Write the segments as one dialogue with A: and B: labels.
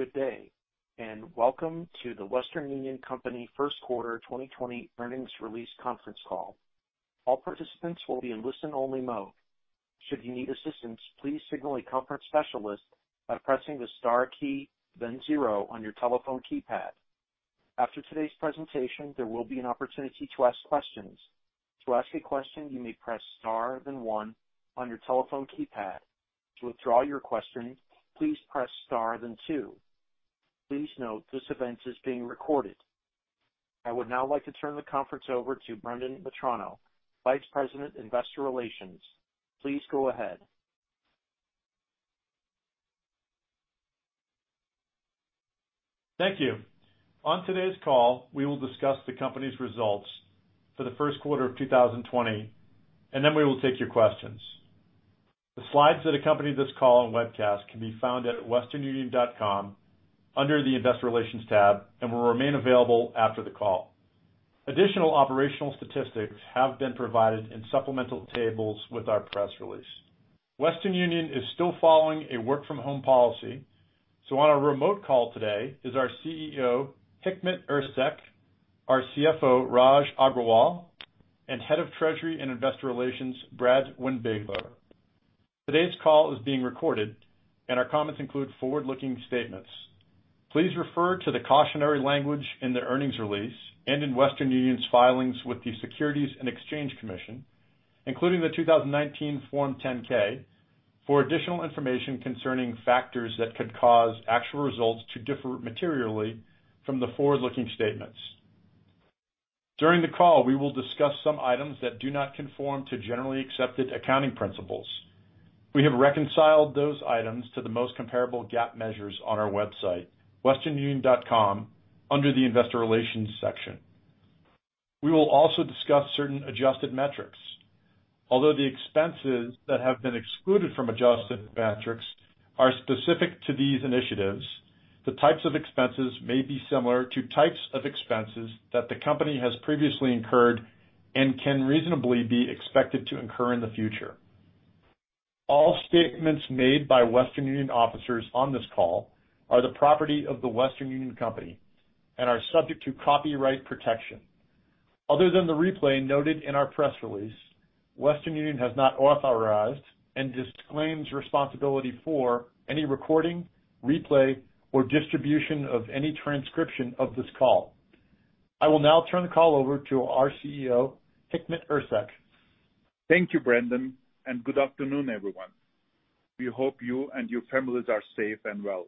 A: Good day, and welcome to The Western Union Company first quarter 2020 earnings release conference call. All participants will be in listen-only mode. Should you need assistance, please signal a conference specialist by pressing the star key, then zero on your telephone keypad. After today's presentation, there will be an opportunity to ask questions. To ask a question, you may press star, then one on your telephone keypad. To withdraw your question, please press star, then two. Please note this event is being recorded. I would now like to turn the conference over to Brendan Metrano, Vice President, Investor Relations. Please go ahead.
B: Thank you. On today's call, we will discuss the company's results for the first quarter of 2020. Then we will take your questions. The slides that accompany this call and webcast can be found at westernunion.com under the Investor Relations tab and will remain available after the call. Additional operational statistics have been provided in supplemental tables with our press release. Western Union is still following a work-from-home policy. On a remote call today is our CEO, Hikmet Ersek, our CFO, Raj Agrawal, and Head of Treasury and Investor Relations, Brad Windbigler. Today's call is being recorded. Our comments include forward-looking statements. Please refer to the cautionary language in the earnings release and in Western Union's filings with the Securities and Exchange Commission, including the 2019 Form 10-K, for additional information concerning factors that could cause actual results to differ materially from the forward-looking statements. During the call, we will discuss some items that do not conform to generally accepted accounting principles. We have reconciled those items to the most comparable GAAP measures on our website, westernunion.com, under the Investor Relations section. We will also discuss certain adjusted metrics. Although the expenses that have been excluded from adjusted metrics are specific to these initiatives, the types of expenses may be similar to types of expenses that the company has previously incurred and can reasonably be expected to incur in the future. All statements made by Western Union officers on this call are the property of The Western Union Company and are subject to copyright protection. Other than the replay noted in our press release, Western Union has not authorized and disclaims responsibility for any recording, replay, or distribution of any transcription of this call. I will now turn the call over to our CEO, Hikmet Ersek.
C: Thank you, Brendan, and good afternoon, everyone. We hope you and your families are safe and well.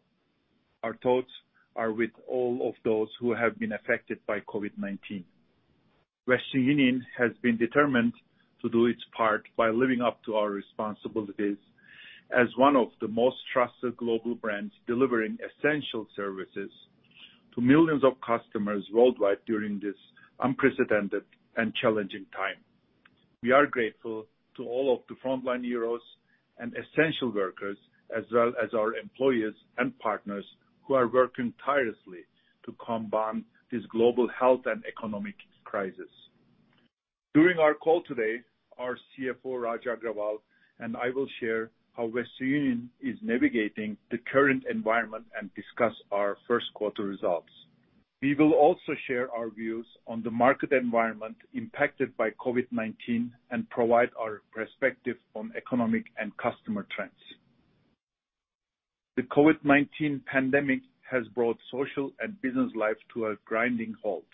C: Our thoughts are with all of those who have been affected by COVID-19. Western Union has been determined to do its part by living up to our responsibilities as one of the most trusted global brands delivering essential services to millions of customers worldwide during this unprecedented and challenging time. We are grateful to all of the frontline heroes and essential workers, as well as our employees and partners who are working tirelessly to combat this global health and economic crisis. During our call today, our CFO, Raj Agrawal, and I will share how Western Union is navigating the current environment and discuss our first quarter results. We will also share our views on the market environment impacted by COVID-19 and provide our perspective on economic and customer trends. The COVID-19 pandemic has brought social and business life to a grinding halt.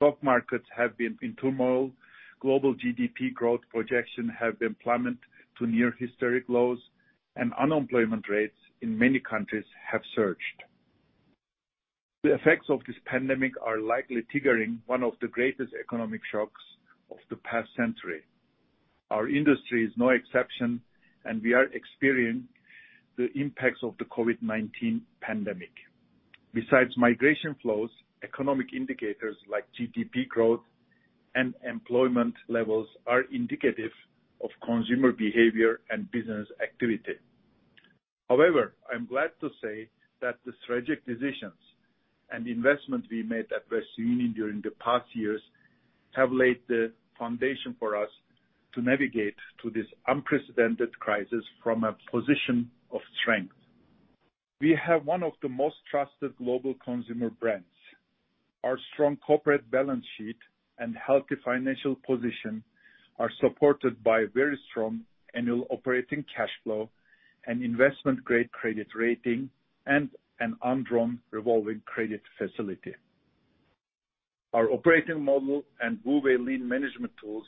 C: Stock markets have been in turmoil. Global GDP growth projection have been plummet to near historic lows, and unemployment rates in many countries have surged. The effects of this pandemic are likely triggering one of the greatest economic shocks of the past century. Our industry is no exception. We are experiencing the impacts of the COVID-19 pandemic. Besides migration flows, economic indicators like GDP growth and employment levels are indicative of consumer behavior and business activity. I'm glad to say that the strategic decisions and investments we made at Western Union during the past years have laid the foundation for us to navigate through this unprecedented crisis from a position of strength. We have one of the most trusted global consumer brands. Our strong corporate balance sheet and healthy financial position are supported by a very strong annual operating cash flow and investment-grade credit rating and an undrawn revolving credit facility. Our operating model and WU Way lean management tools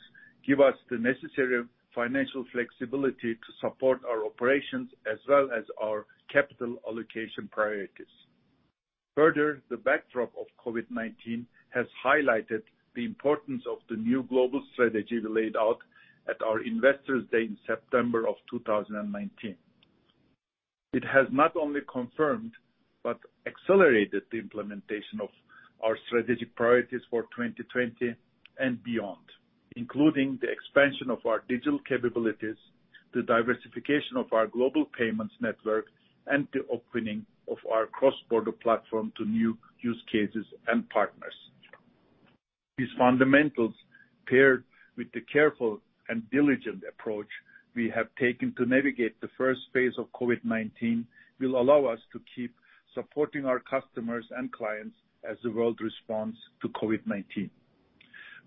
C: give us the necessary financial flexibility to support our operations as well as our capital allocation priorities. Further, the backdrop of COVID-19 has highlighted the importance of the new global strategy we laid out at our Investors Day in September of 2019. It has not only confirmed but accelerated the implementation of our strategic priorities for 2020 and beyond, including the expansion of our digital capabilities, the diversification of our global payments network, and the opening of our cross-border platform to new use cases and partners. These fundamentals, paired with the careful and diligent approach we have taken to navigate the first phase of COVID-19, will allow us to keep supporting our customers and clients as the world responds to COVID-19.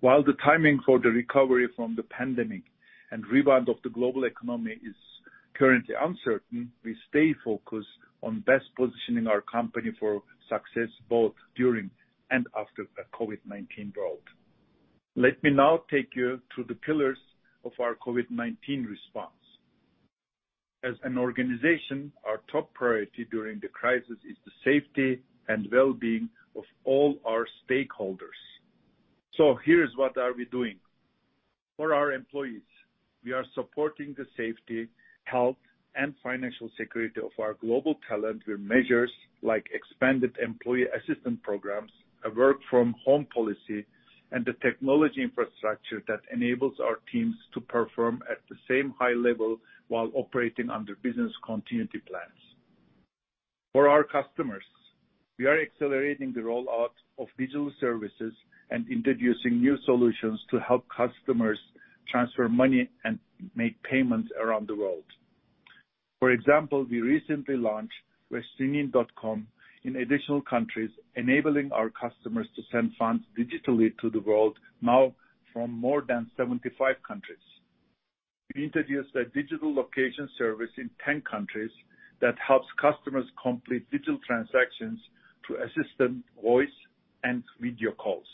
C: While the timing for the recovery from the pandemic and rebound of the global economy is currently uncertain, we stay focused on best positioning our company for success both during and after the COVID-19 drought. Let me now take you through the pillars of our COVID-19 response. As an organization, our top priority during the crisis is the safety and well-being of all our stakeholders. Here is what are we doing. For our employees, we are supporting the safety, health, and financial security of our global talent with measures like expanded employee assistance programs, a work from home policy, and the technology infrastructure that enables our teams to perform at the same high level while operating under business continuity plans. For our customers, we are accelerating the rollout of digital services and introducing new solutions to help customers transfer money and make payments around the world. For example, we recently launched westernunion.com in additional countries, enabling our customers to send funds digitally to the world now from more than 75 countries. We introduced a digital location service in 10 countries that helps customers complete digital transactions through assistant voice and video calls.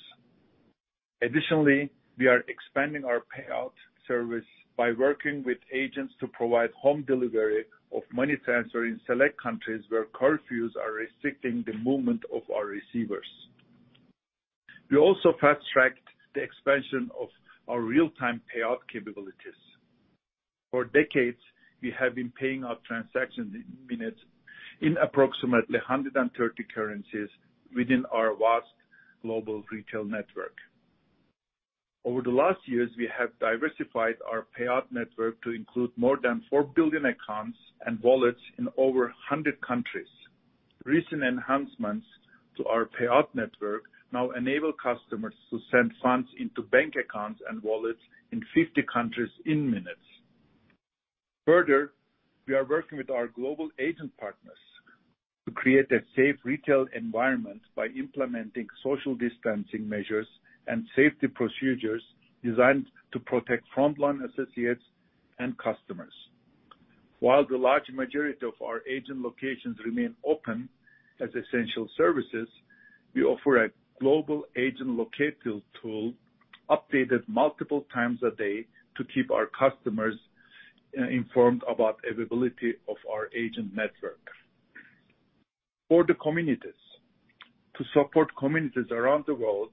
C: Additionally, we are expanding our payout service by working with agents to provide home delivery of money transfer in select countries where curfews are restricting the movement of our receivers. We also fast-tracked the expansion of our real-time payout capabilities. For decades, we have been paying out transactions in minutes in approximately 130 currencies within our vast global retail network. Over the last years, we have diversified our payout network to include more than 4 billion accounts and wallets in over 100 countries. Recent enhancements to our payout network now enable customers to send funds into bank accounts and wallets in 50 countries in minutes. Further, we are working with our global agent partners to create a safe retail environment by implementing social distancing measures and safety procedures designed to protect frontline associates and customers. While the large majority of our agent locations remain open as essential services, we offer a global agent locator tool updated multiple times a day to keep our customers informed about availability of our agent network. To support communities around the world,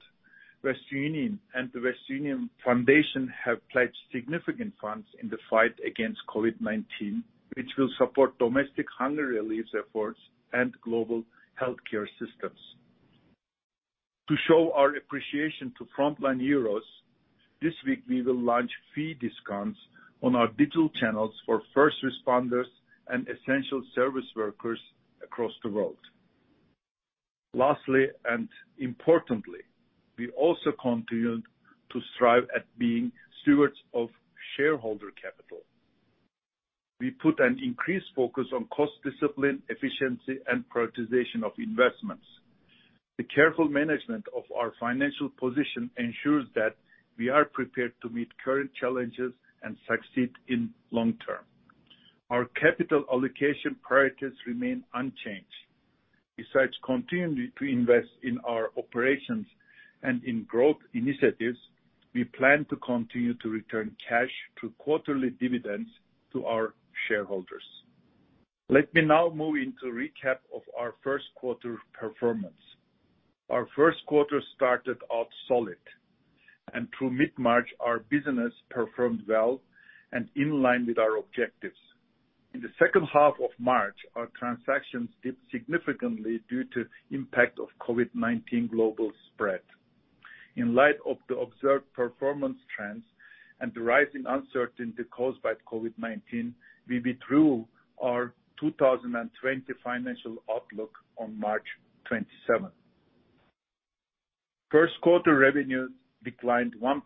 C: Western Union and The Western Union Foundation have pledged significant funds in the fight against COVID-19, which will support domestic hunger relief efforts and global healthcare systems. To show our appreciation to frontline heroes, this week we will launch fee discounts on our digital channels for first responders and essential service workers across the world. Lastly and importantly, we also continue to strive at being stewards of shareholder capital. We put an increased focus on cost discipline, efficiency, and prioritization of investments. The careful management of our financial position ensures that we are prepared to meet current challenges and succeed in long term. Our capital allocation priorities remain unchanged. Besides continuing to invest in our operations and in growth initiatives, we plan to continue to return cash through quarterly dividends to our shareholders. Let me now move into recap of our first quarter performance. Our first quarter started out solid, and through mid-March, our business performed well and in line with our objectives. In the second half of March, our transactions dipped significantly due to impact of COVID-19 global spread. In light of the observed performance trends and the rising uncertainty caused by COVID-19, we withdrew our 2020 financial outlook on March 27th. First quarter revenues declined 1%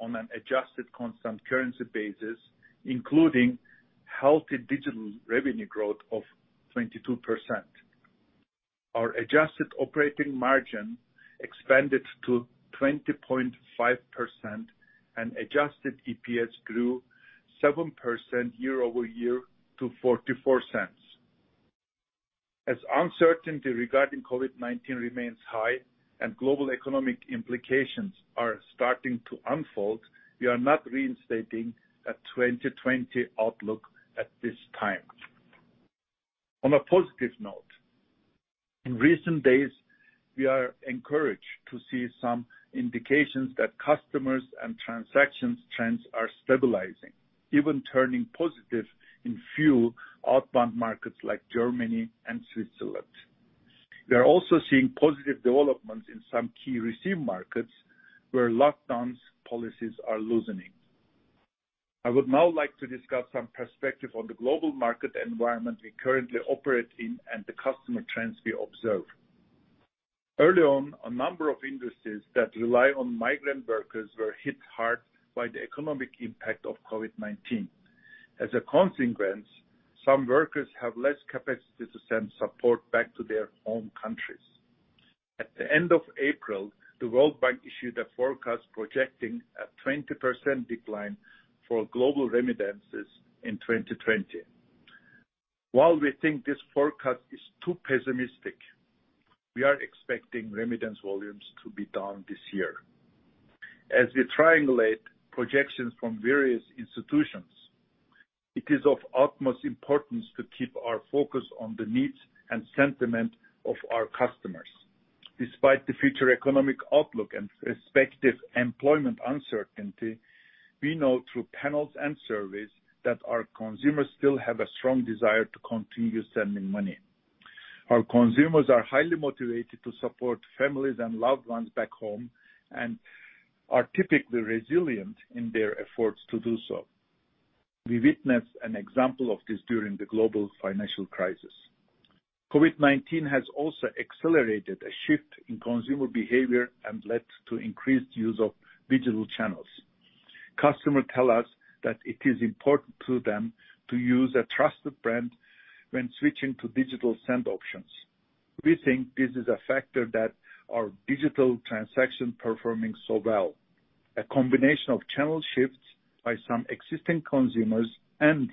C: on an adjusted constant currency basis, including healthy digital revenue growth of 22%. Our adjusted operating margin expanded to 20.5%, and adjusted EPS grew 7% year-over-year to $0.44. As uncertainty regarding COVID-19 remains high and global economic implications are starting to unfold, we are not reinstating a 2020 outlook at this time. On a positive note, in recent days, we are encouraged to see some indications that customers and transactions trends are stabilizing, even turning positive in few outbound markets like Germany and Switzerland. We are also seeing positive developments in some key receive markets where lockdowns policies are loosening. I would now like to discuss some perspective on the global market environment we currently operate in and the customer trends we observe. Early on, a number of industries that rely on migrant workers were hit hard by the economic impact of COVID-19. As a consequence, some workers have less capacity to send support back to their home countries. At the end of April, the World Bank issued a forecast projecting a 20% decline for global remittances in 2020. While we think this forecast is too pessimistic, we are expecting remittance volumes to be down this year. As we triangulate projections from various institutions, it is of utmost importance to keep our focus on the needs and sentiment of our customers. Despite the future economic outlook and respective employment uncertainty, we know through panels and surveys that our consumers still have a strong desire to continue sending money. Our consumers are highly motivated to support families and loved ones back home and are typically resilient in their efforts to do so. We witnessed an example of this during the global financial crisis. COVID-19 has also accelerated a shift in consumer behavior and led to increased use of digital channels. Customers tell us that it is important to them to use a trusted brand when switching to digital send options. We think this is a factor that our digital transaction performing so well, a combination of channel shifts by some existing consumers and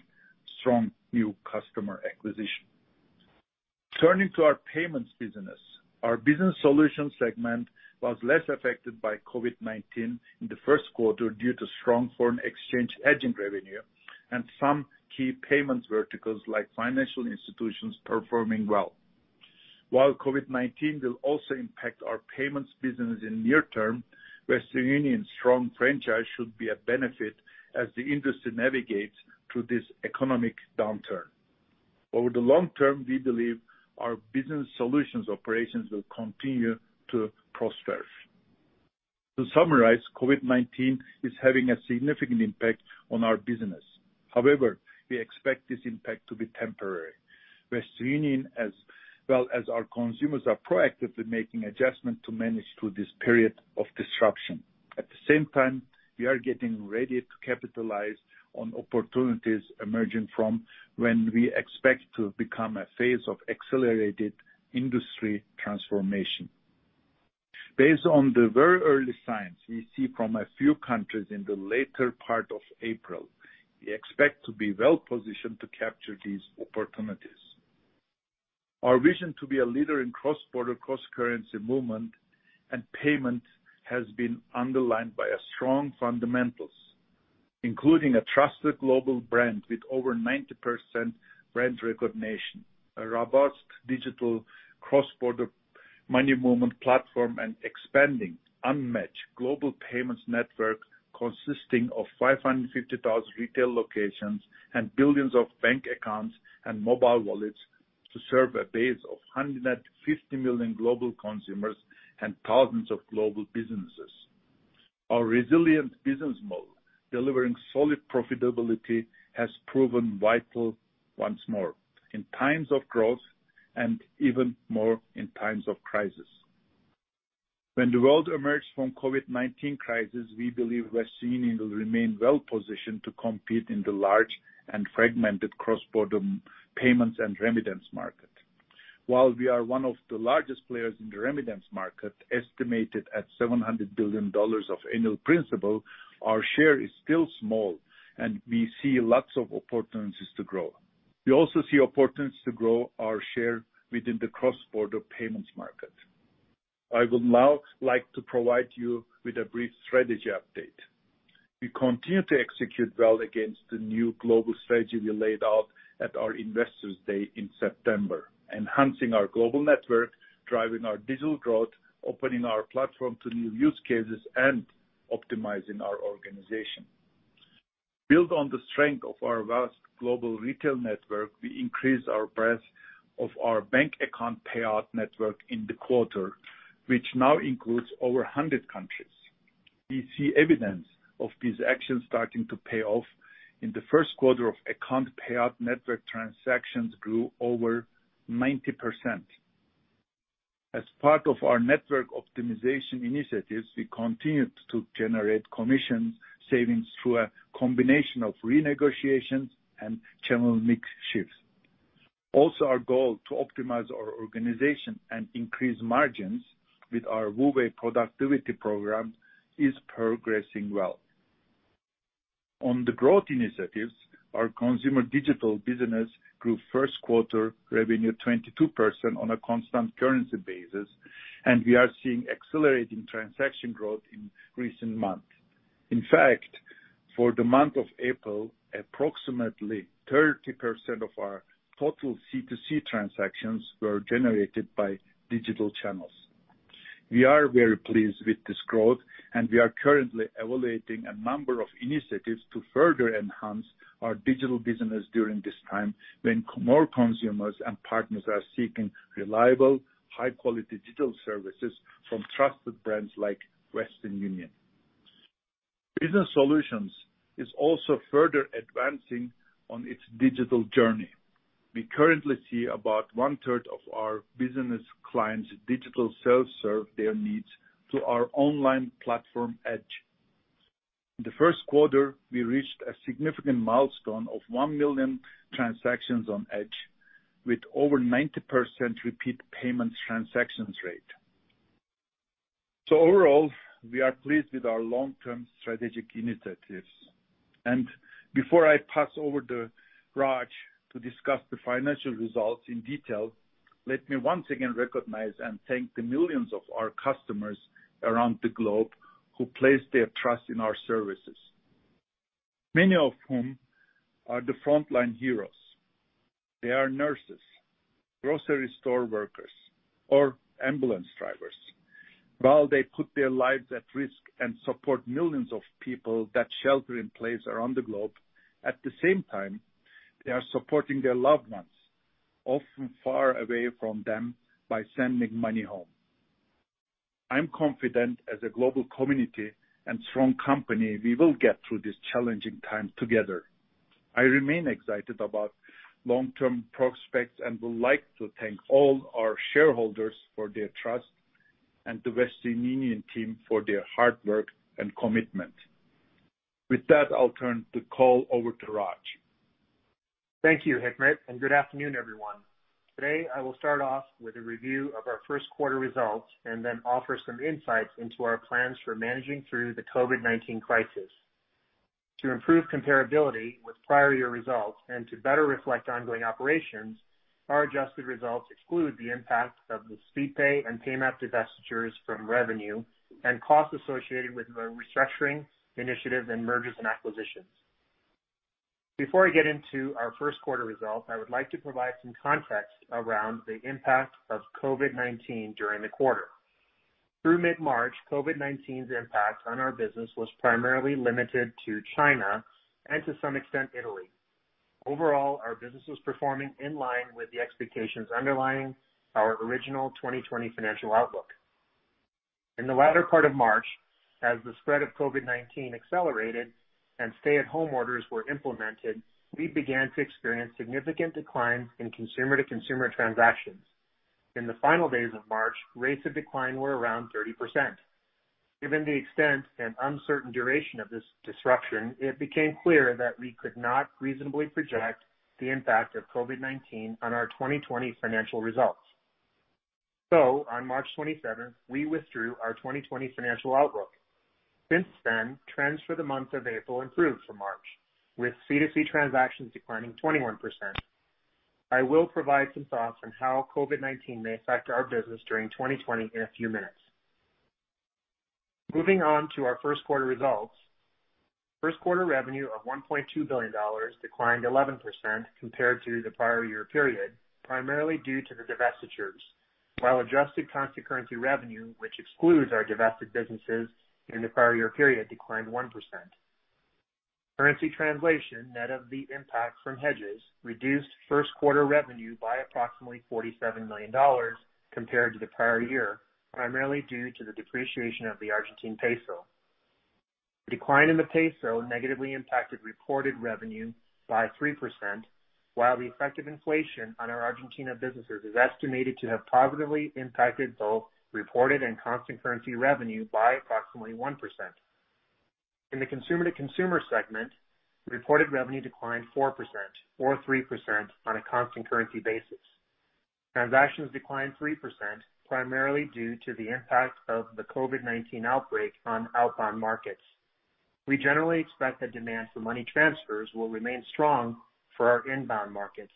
C: strong new customer acquisition. Turning to our payments business, our Business Solutions segment was less affected by COVID-19 in the first quarter due to strong foreign exchange hedging revenue and some key payments verticals like financial institutions performing well. While COVID-19 will also impact our payments business in near term, Western Union's strong franchise should be a benefit as the industry navigates through this economic downturn. Over the long term, we believe our Business Solutions operations will continue to prosper. To summarize, COVID-19 is having a significant impact on our business. However, we expect this impact to be temporary. Western Union, as well as our consumers, are proactively making adjustment to manage through this period of disruption. At the same time, we are getting ready to capitalize on opportunities emerging from when we expect to become a phase of accelerated industry transformation. Based on the very early signs we see from a few countries in the later part of April, we expect to be well-positioned to capture these opportunities. Our vision to be a leader in cross-border, cross-currency movement and payment has been underlined by a strong fundamentals, including a trusted global brand with over 90% brand recognition, a robust digital cross-border money movement platform, and expanding unmatched global payments network consisting of 550,000 retail locations and billions of bank accounts and mobile wallets to serve a base of 150 million global consumers and thousands of global businesses. Our resilient business model, delivering solid profitability, has proven vital once more in times of growth and even more in times of crisis. When the world emerged from COVID-19 crisis, we believe Western Union will remain well-positioned to compete in the large and fragmented cross-border payments and remittance market. While we are one of the largest players in the remittance market, estimated at $700 billion of annual principal, our share is still small, and we see lots of opportunities to grow. We also see opportunities to grow our share within the cross-border payments market. I would now like to provide you with a brief strategy update. We continue to execute well against the new global strategy we laid out at our Investors Day in September, enhancing our global network, driving our digital growth, opening our platform to new use cases, and optimizing our organization. Built on the strength of our vast global retail network, we increased our breadth of our bank account payout network in the quarter, which now includes over 100 countries. We see evidence of these actions starting to pay off. In the first quarter of account payout network transactions grew over 90%. As part of our network optimization initiatives, we continued to generate commission savings through a combination of renegotiations and channel mix shifts. Also, our goal to optimize our organization and increase margins with our WU Way productivity program is progressing well. On the growth initiatives, our consumer digital business grew first quarter revenue 22% on a constant currency basis, and we are seeing accelerating transaction growth in recent months. In fact, for the month of April, approximately 30% of our total C2C transactions were generated by digital channels. We are very pleased with this growth, and we are currently evaluating a number of initiatives to further enhance our digital business during this time when more consumers and partners are seeking reliable, high-quality digital services from trusted brands like Western Union. Business Solutions is also further advancing on its digital journey. We currently see about one third of our business clients digital self-serve their needs to our online platform, Edge. In the first quarter, we reached a significant milestone of 1 million transactions on Edge, with over 90% repeat payments transactions rate. Overall, we are pleased with our long-term strategic initiatives. Before I pass over to Raj to discuss the financial results in detail, let me once again recognize and thank the millions of our customers around the globe who place their trust in our services, many of whom are the frontline heroes. They are nurses, grocery store workers, or ambulance drivers. While they put their lives at risk and support millions of people that shelter in place around the globe, at the same time, they are supporting their loved ones, often far away from them, by sending money home. I'm confident as a global community and strong company, we will get through this challenging time together. I remain excited about long-term prospects and would like to thank all our shareholders for their trust and the Western Union team for their hard work and commitment. With that, I'll turn the call over to Raj.
D: Thank you, Hikmet, and good afternoon, everyone. Today, I will start off with a review of our first quarter results and then offer some insights into our plans for managing through the COVID-19 crisis. To improve comparability with prior year results and to better reflect ongoing operations, our adjusted results exclude the impact of the Speedpay and Paymap divestitures from revenue and costs associated with our restructuring initiatives and mergers and acquisitions. Before I get into our first quarter results, I would like to provide some context around the impact of COVID-19 during the quarter. Through mid-March, COVID-19's impact on our business was primarily limited to China and to some extent, Italy. Overall, our business was performing in line with the expectations underlying our original 2020 financial outlook. In the latter part of March, as the spread of COVID-19 accelerated and stay-at-home orders were implemented, we began to experience significant declines in Consumer-to-Consumer transactions. In the final days of March, rates of decline were around 30%. Given the extent and uncertain duration of this disruption, it became clear that we could not reasonably project the impact of COVID-19 on our 2020 financial results. On March 27th, we withdrew our 2020 financial outlook. Since then, trends for the month of April improved from March, with C2C transactions declining 21%. I will provide some thoughts on how COVID-19 may affect our business during 2020 in a few minutes. Moving on to our first quarter results. First quarter revenue of $1.2 billion declined 11% compared to the prior year period, primarily due to the divestitures, while adjusted constant currency revenue, which excludes our divested businesses in the prior year period, declined 1%. Currency translation, net of the impact from hedges, reduced first quarter revenue by approximately $47 million compared to the prior year, primarily due to the depreciation of the Argentine peso. Decline in the peso negatively impacted reported revenue by 3%, while the effect of inflation on our Argentina businesses is estimated to have positively impacted both reported and constant currency revenue by approximately 1%. In the Consumer-to-Consumer segment, reported revenue declined 4% or 3% on a constant currency basis. Transactions declined 3%, primarily due to the impact of the COVID-19 outbreak on outbound markets. We generally expect that demand for money transfers will remain strong for our inbound markets,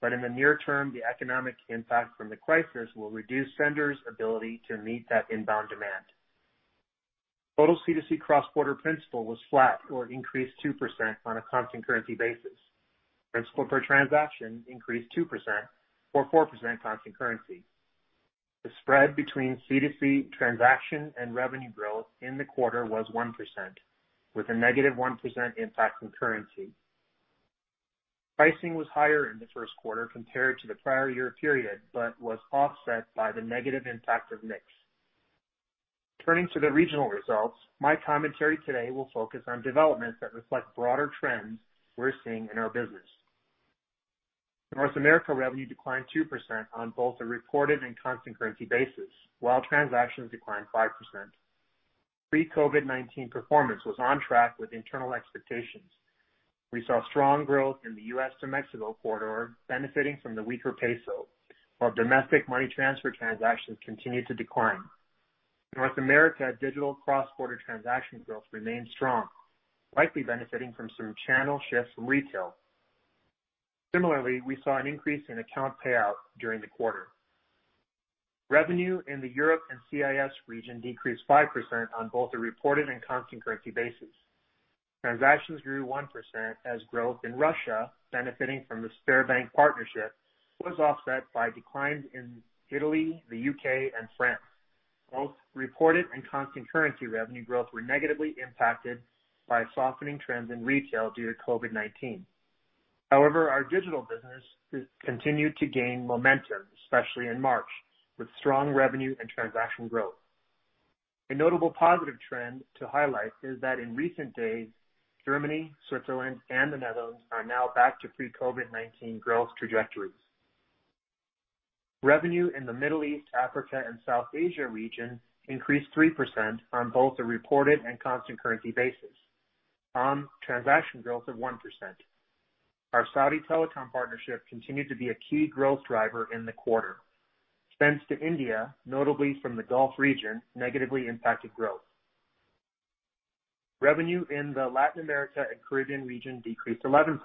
D: but in the near term, the economic impact from the crisis will reduce senders' ability to meet that inbound demand. Total C2C cross-border principal was flat or increased 2% on a constant currency basis. Principal per transaction increased 2% or 4% constant currency. The spread between C2C transaction and revenue growth in the quarter was 1%, with a negative 1% impact from currency. Pricing was higher in the first quarter compared to the prior year period, but was offset by the negative impact of mix. Turning to the regional results, my commentary today will focus on developments that reflect broader trends we're seeing in our business. North America revenue declined 2% on both a reported and constant currency basis, while transactions declined 5%. Pre-COVID-19 performance was on track with internal expectations. We saw strong growth in the U.S. to Mexico corridor benefiting from the weaker peso, while domestic money transfer transactions continued to decline. North America digital cross-border transaction growth remained strong, likely benefiting from some channel shifts from retail. Similarly, we saw an increase in account payout during the quarter. Revenue in the Europe and CIS region decreased 5% on both a reported and constant currency basis. Transactions grew 1% as growth in Russia benefiting from the Sberbank partnership was offset by declines in Italy, the U.K., and France. Both reported and constant currency revenue growth were negatively impacted by softening trends in retail due to COVID-19. However, our digital business continued to gain momentum, especially in March, with strong revenue and transaction growth. A notable positive trend to highlight is that in recent days, Germany, Switzerland, and the Netherlands are now back to pre-COVID-19 growth trajectories. Revenue in the Middle East, Africa, and South Asia region increased 3% on both the reported and constant currency basis on transaction growth of 1%. Our Saudi Telecom partnership continued to be a key growth driver in the quarter. Sends to India, notably from the Gulf region, negatively impacted growth. Revenue in the Latin America and Caribbean region decreased 11%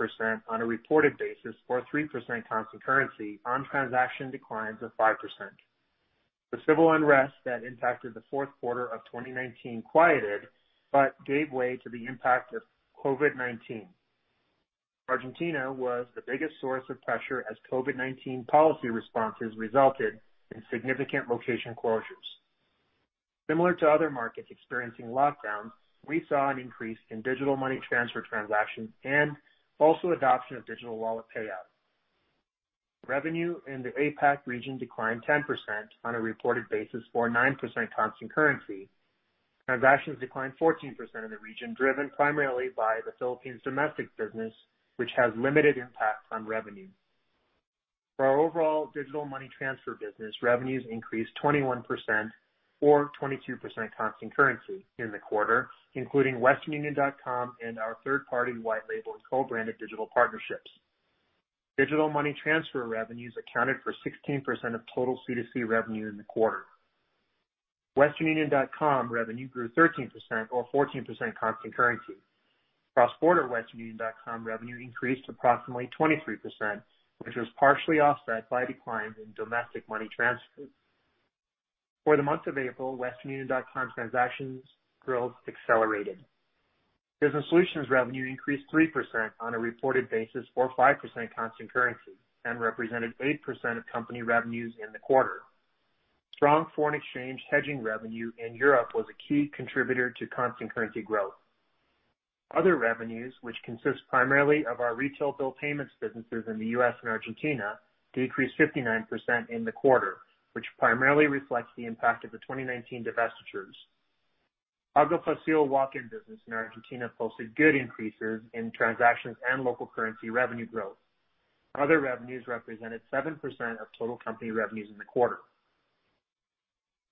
D: on a reported basis, or 3% constant currency on transaction declines of 5%. The civil unrest that impacted the fourth quarter of 2019 quieted but gave way to the impact of COVID-19. Argentina was the biggest source of pressure as COVID-19 policy responses resulted in significant location closures. Similar to other markets experiencing lockdowns, we saw an increase in digital money transfer transactions and also adoption of digital wallet payout. Revenue in the APAC region declined 10% on a reported basis, or 9% constant currency. Transactions declined 14% in the region, driven primarily by the Philippines domestic business, which has limited impact on revenue. For our overall digital money transfer business, revenues increased 21%, or 22% constant currency in the quarter, including westernunion.com and our third-party white label and co-branded digital partnerships. Digital money transfer revenues accounted for 16% of total C2C revenue in the quarter. westernunion.com revenue grew 13%, or 14% constant currency. Cross-border westernunion.com revenue increased approximately 23%, which was partially offset by declines in domestic money transfers. For the month of April, westernunion.com transactions growth accelerated. Business Solutions revenue increased 3% on a reported basis, or 5% constant currency and represented 8% of company revenues in the quarter. Strong foreign exchange hedging revenue in Europe was a key contributor to constant currency growth. Other revenues, which consist primarily of our retail bill payments businesses in the U.S. and Argentina, decreased 59% in the quarter, which primarily reflects the impact of the 2019 divestitures. Pago Fácil walk-in business in Argentina posted good increases in transactions and local currency revenue growth. Other revenues represented 7% of total company revenues in the quarter.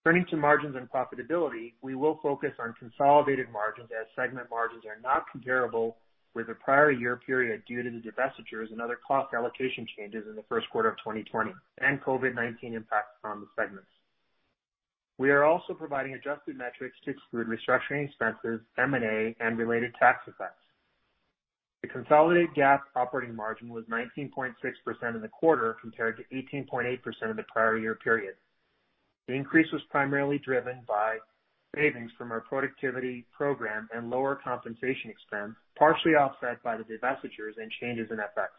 D: Turning to margins and profitability, we will focus on consolidated margins as segment margins are not comparable with the prior year period due to the divestitures and other cost allocation changes in the first quarter of 2020 and COVID-19 impacts on the segments. We are also providing adjusted metrics to exclude restructuring expenses, M&A, and related tax effects. The consolidated GAAP operating margin was 19.6% in the quarter compared to 18.8% in the prior year period. The increase was primarily driven by savings from our productivity program and lower compensation expense, partially offset by the divestitures and changes in FX.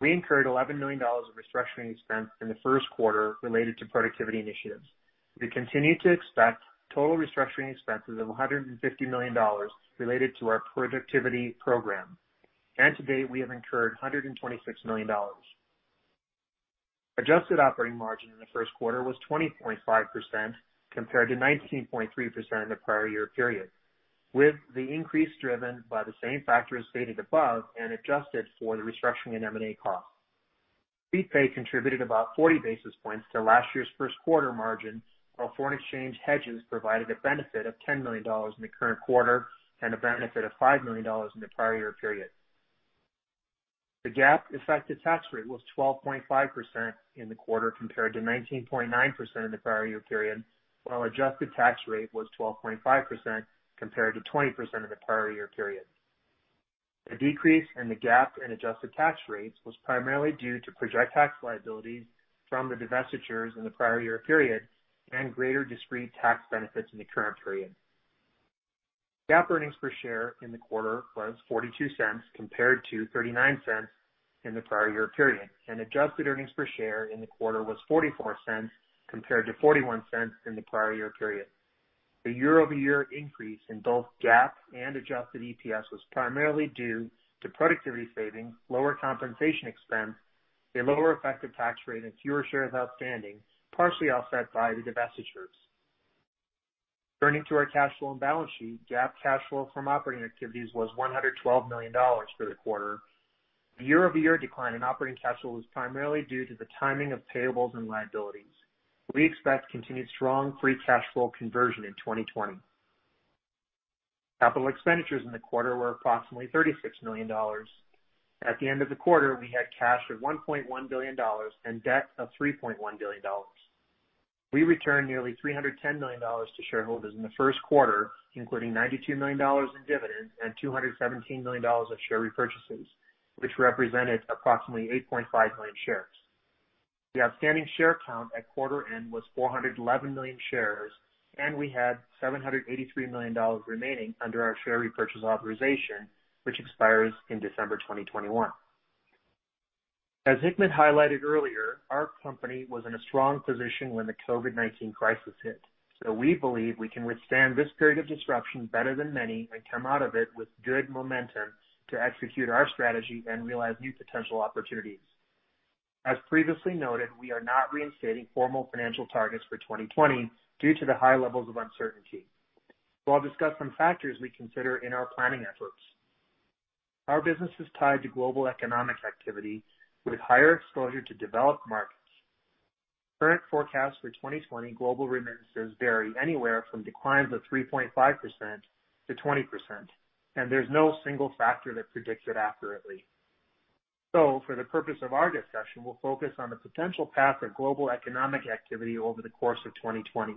D: We incurred $11 million of restructuring expense in the first quarter related to productivity initiatives. We continue to expect total restructuring expenses of $150 million related to our productivity program. To date, we have incurred $126 million. Adjusted operating margin in the first quarter was 20.5% compared to 19.3% in the prior year period, with the increase driven by the same factors stated above and adjusted for the restructuring and M&A cost. Speedpay contributed about 40 basis points to last year's first quarter margin, while foreign exchange hedges provided a benefit of $10 million in the current quarter and a benefit of $5 million in the prior year period. The GAAP effective tax rate was 12.5% in the quarter compared to 19.9% in the prior year period, while adjusted tax rate was 12.5% compared to 20% in the prior year period. The decrease in the GAAP and adjusted tax rates was primarily due to projected tax liabilities from the divestitures in the prior year period and greater discrete tax benefits in the current period. GAAP earnings per share in the quarter was $0.42 compared to $0.39 in the prior year period. Adjusted earnings per share in the quarter was $0.44 compared to $0.41 in the prior year period. The year-over-year increase in both GAAP and adjusted EPS was primarily due to productivity savings, lower compensation expense, a lower effective tax rate, and fewer shares outstanding, partially offset by the divestitures. Turning to our cash flow and balance sheet, GAAP cash flow from operating activities was $112 million for the quarter. The year-over-year decline in operating cash flow was primarily due to the timing of payables and liabilities. We expect continued strong free cash flow conversion in 2020. Capital expenditures in the quarter were approximately $36 million. At the end of the quarter, we had cash of $1.1 billion and debt of $3.1 billion. We returned nearly $310 million to shareholders in the first quarter, including $92 million in dividends and $217 million of share repurchases, which represented approximately 8.5 million shares. The outstanding share count at quarter end was 411 million shares, and we had $783 million remaining under our share repurchase authorization, which expires in December 2021. As Hikmet highlighted earlier, our company was in a strong position when the COVID-19 crisis hit. We believe we can withstand this period of disruption better than many and come out of it with good momentum to execute our strategy and realize new potential opportunities. As previously noted, we are not reinstating formal financial targets for 2020 due to the high levels of uncertainty. I'll discuss some factors we consider in our planning efforts. Our business is tied to global economic activity with higher exposure to developed markets. Current forecasts for 2020 global remittances vary anywhere from declines of 3.5% to 20%, and there's no single factor that predicts it accurately. For the purpose of our discussion, we'll focus on the potential path of global economic activity over the course of 2020.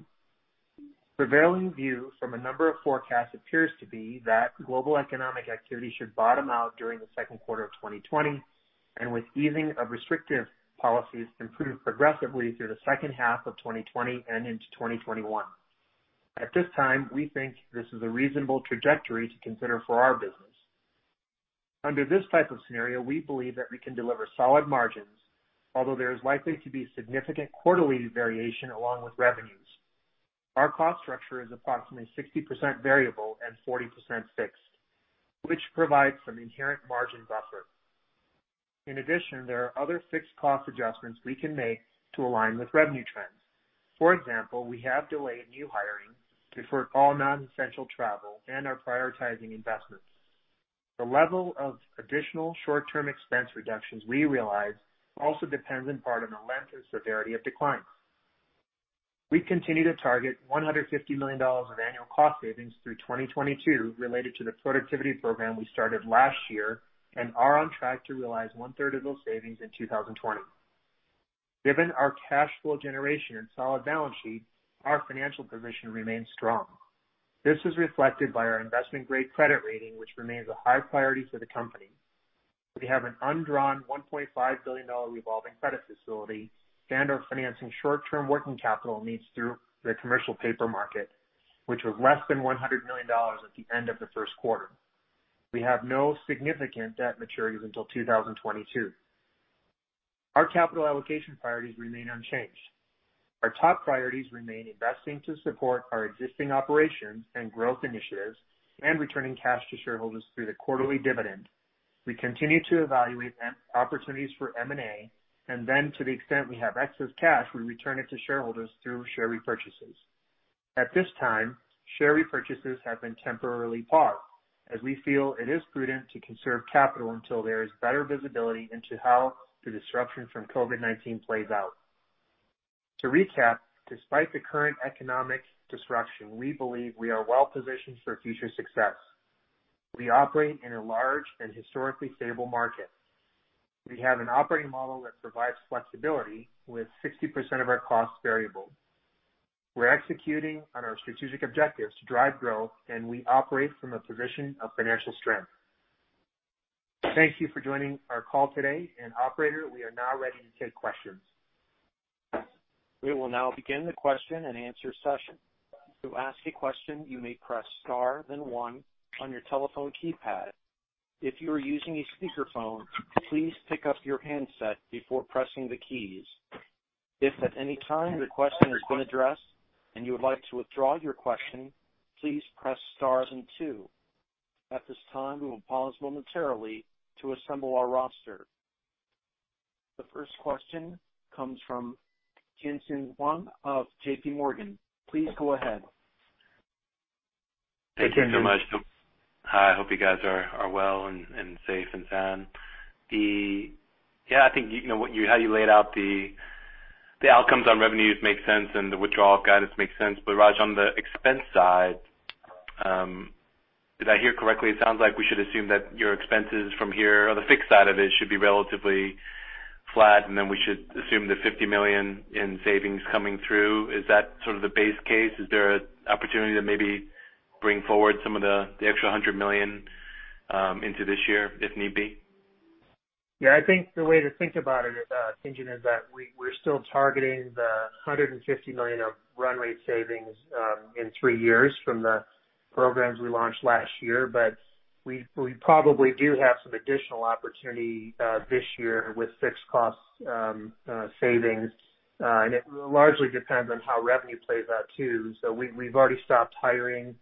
D: Prevailing view from a number of forecasts appears to be that global economic activity should bottom out during the second quarter of 2020, and with easing of restrictive policies, improve progressively through the second half of 2020 and into 2021. At this time, we think this is a reasonable trajectory to consider for our business. Under this type of scenario, we believe that we can deliver solid margins, although there is likely to be significant quarterly variation along with revenues. Our cost structure is approximately 60% variable and 40% fixed, which provides some inherent margin buffer. In addition, there are other fixed cost adjustments we can make to align with revenue trends. For example, we have delayed new hiring, deferred all non-essential travel, and are prioritizing investments. The level of additional short-term expense reductions we realize also depends in part on the length and severity of declines. We continue to target $150 million of annual cost savings through 2022 related to the productivity program we started last year and are on track to realize one-third of those savings in 2020. Given our cash flow generation and solid balance sheet, our financial position remains strong. This is reflected by our investment-grade credit rating, which remains a high priority for the company. We have an undrawn $1.5 billion revolving credit facility and are financing short-term working capital needs through the commercial paper market, which was less than $100 million at the end of the first quarter. We have no significant debt maturities until 2022. Our capital allocation priorities remain unchanged. Our top priorities remain investing to support our existing operations and growth initiatives and returning cash to shareholders through the quarterly dividend. We continue to evaluate opportunities for M&A and then to the extent we have excess cash, we return it to shareholders through share repurchases. At this time, share repurchases have been temporarily paused as we feel it is prudent to conserve capital until there is better visibility into how the disruption from COVID-19 plays out. To recap, despite the current economic disruption, we believe we are well positioned for future success. We operate in a large and historically stable market. We have an operating model that provides flexibility with 60% of our costs variable. We're executing on our strategic objectives to drive growth, and we operate from a position of financial strength. Thank you for joining our call today. Operator, we are now ready to take questions.
A: We will now begin the Q&A session. To ask a question, you may press star then one on your telephone keypad. If you are using a speakerphone, please pick up your handset before pressing the keys. If at any time your question has been addressed and you would like to withdraw your question, please press stars and two. At this time, we will pause momentarily to assemble our roster. The first question comes from Tien-Tsin Huang of JPMorgan. Please go ahead.
E: Thank you so much. Hi, I hope you guys are well and safe and sound. I think how you laid out the outcomes on revenues make sense and the withdrawal guidance makes sense. Raj, on the expense side, did I hear correctly? It sounds like we should assume that your expenses from here or the fixed side of it should be relatively flat, and then we should assume the $50 million in savings coming through. Is that sort of the base case? Is there an opportunity to maybe bring forward some of the extra $100 million into this year if need be?
D: Yeah, I think the way to think about it, Tien-Tsin, is that we're still targeting the $150 million of run rate savings in three years from the programs we launched last year. We probably do have some additional opportunity this year with fixed cost savings. It largely depends on how revenue plays out, too. We've already stopped hiring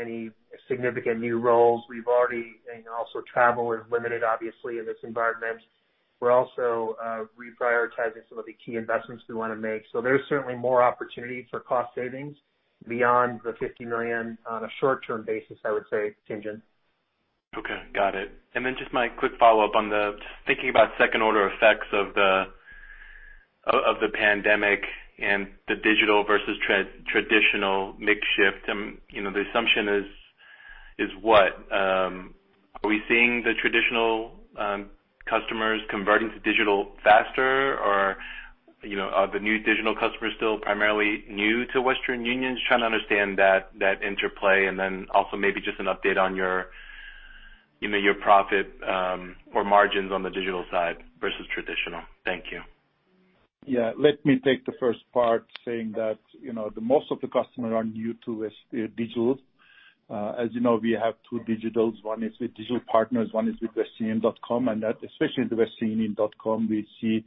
D: any significant new roles. Also travel is limited, obviously, in this environment. We're also reprioritizing some of the key investments we want to make. There's certainly more opportunity for cost savings beyond the $50 million on a short-term basis, I would say, Tien-Tsin.
E: Okay. Got it. Just my quick follow-up on the thinking about second order effects of the pandemic and the digital versus traditional mix shift. The assumption is what? Are we seeing the traditional customers converting to digital faster? Are the new digital customers still primarily new to Western Union? Just trying to understand that interplay, also maybe just an update on your profit or margins on the digital side versus traditional. Thank you.
C: Let me take the first part saying that, most of the customers are new to digital. As you know, we have two digitals. One is with digital partners, one is with westernunion.com, and especially the westernunion.com, we see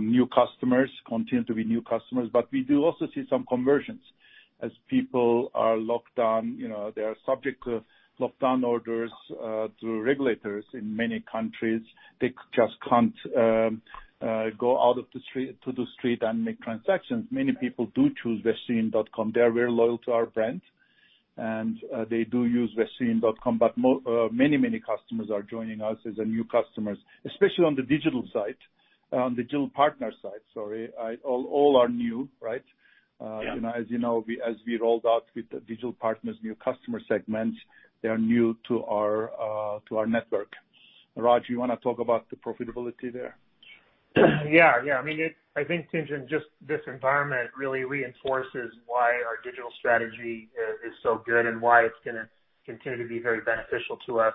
C: new customers continue to be new customers. We do also see some conversions as people are locked down. They are subject to lockdown orders through regulators in many countries. They just can't go out to the street and make transactions. Many people do choose westernunion.com. They're very loyal to our brand, and they do use westernunion.com, but many customers are joining us as new customers, especially on the digital side, on the digital partner side, sorry. All are new, right?
E: Yeah.
C: As you know, as we rolled out with the digital partners new customer segments, they are new to our network. Raj, you want to talk about the profitability there?
D: I think, Tien-Tsin, just this environment really reinforces why our digital strategy is so good and why it's going to continue to be very beneficial to us.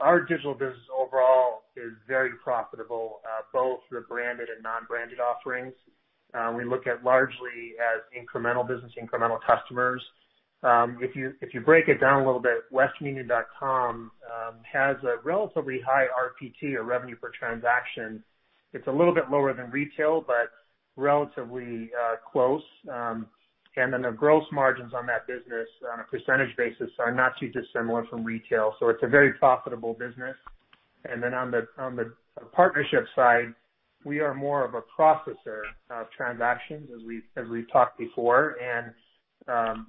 D: Our digital business overall is very profitable, both the branded and non-branded offerings. We look at largely as incremental business, incremental customers. If you break it down a little bit, westernunion.com has a relatively high RPT or revenue per transaction. It's a little bit lower than retail, but relatively close. The gross margins on that business on a percentage basis are not too dissimilar from retail. It's a very profitable business. On the partnership side, we are more of a processor of transactions as we've talked before.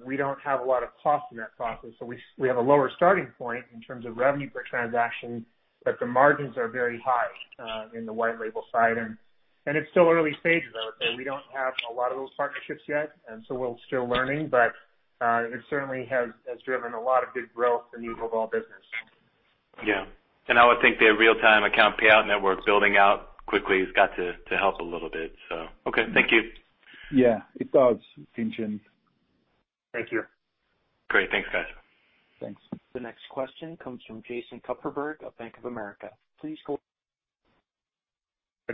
D: We don't have a lot of cost in that process. We have a lower starting point in terms of revenue per transaction, but the margins are very high in the white label side. It's still early stages out there. We don't have a lot of those partnerships yet, and so we're still learning, but it certainly has driven a lot of good growth in the overall business.
E: Yeah. I would think their real-time account payout network building out quickly has got to help a little bit. Okay, thank you.
C: Yeah. It does, Tien-Tsin.
D: Thank you.
E: Great. Thanks, guys.
C: Thanks.
A: The next question comes from Jason Kupferberg of Bank of America. Please.
D: Hi,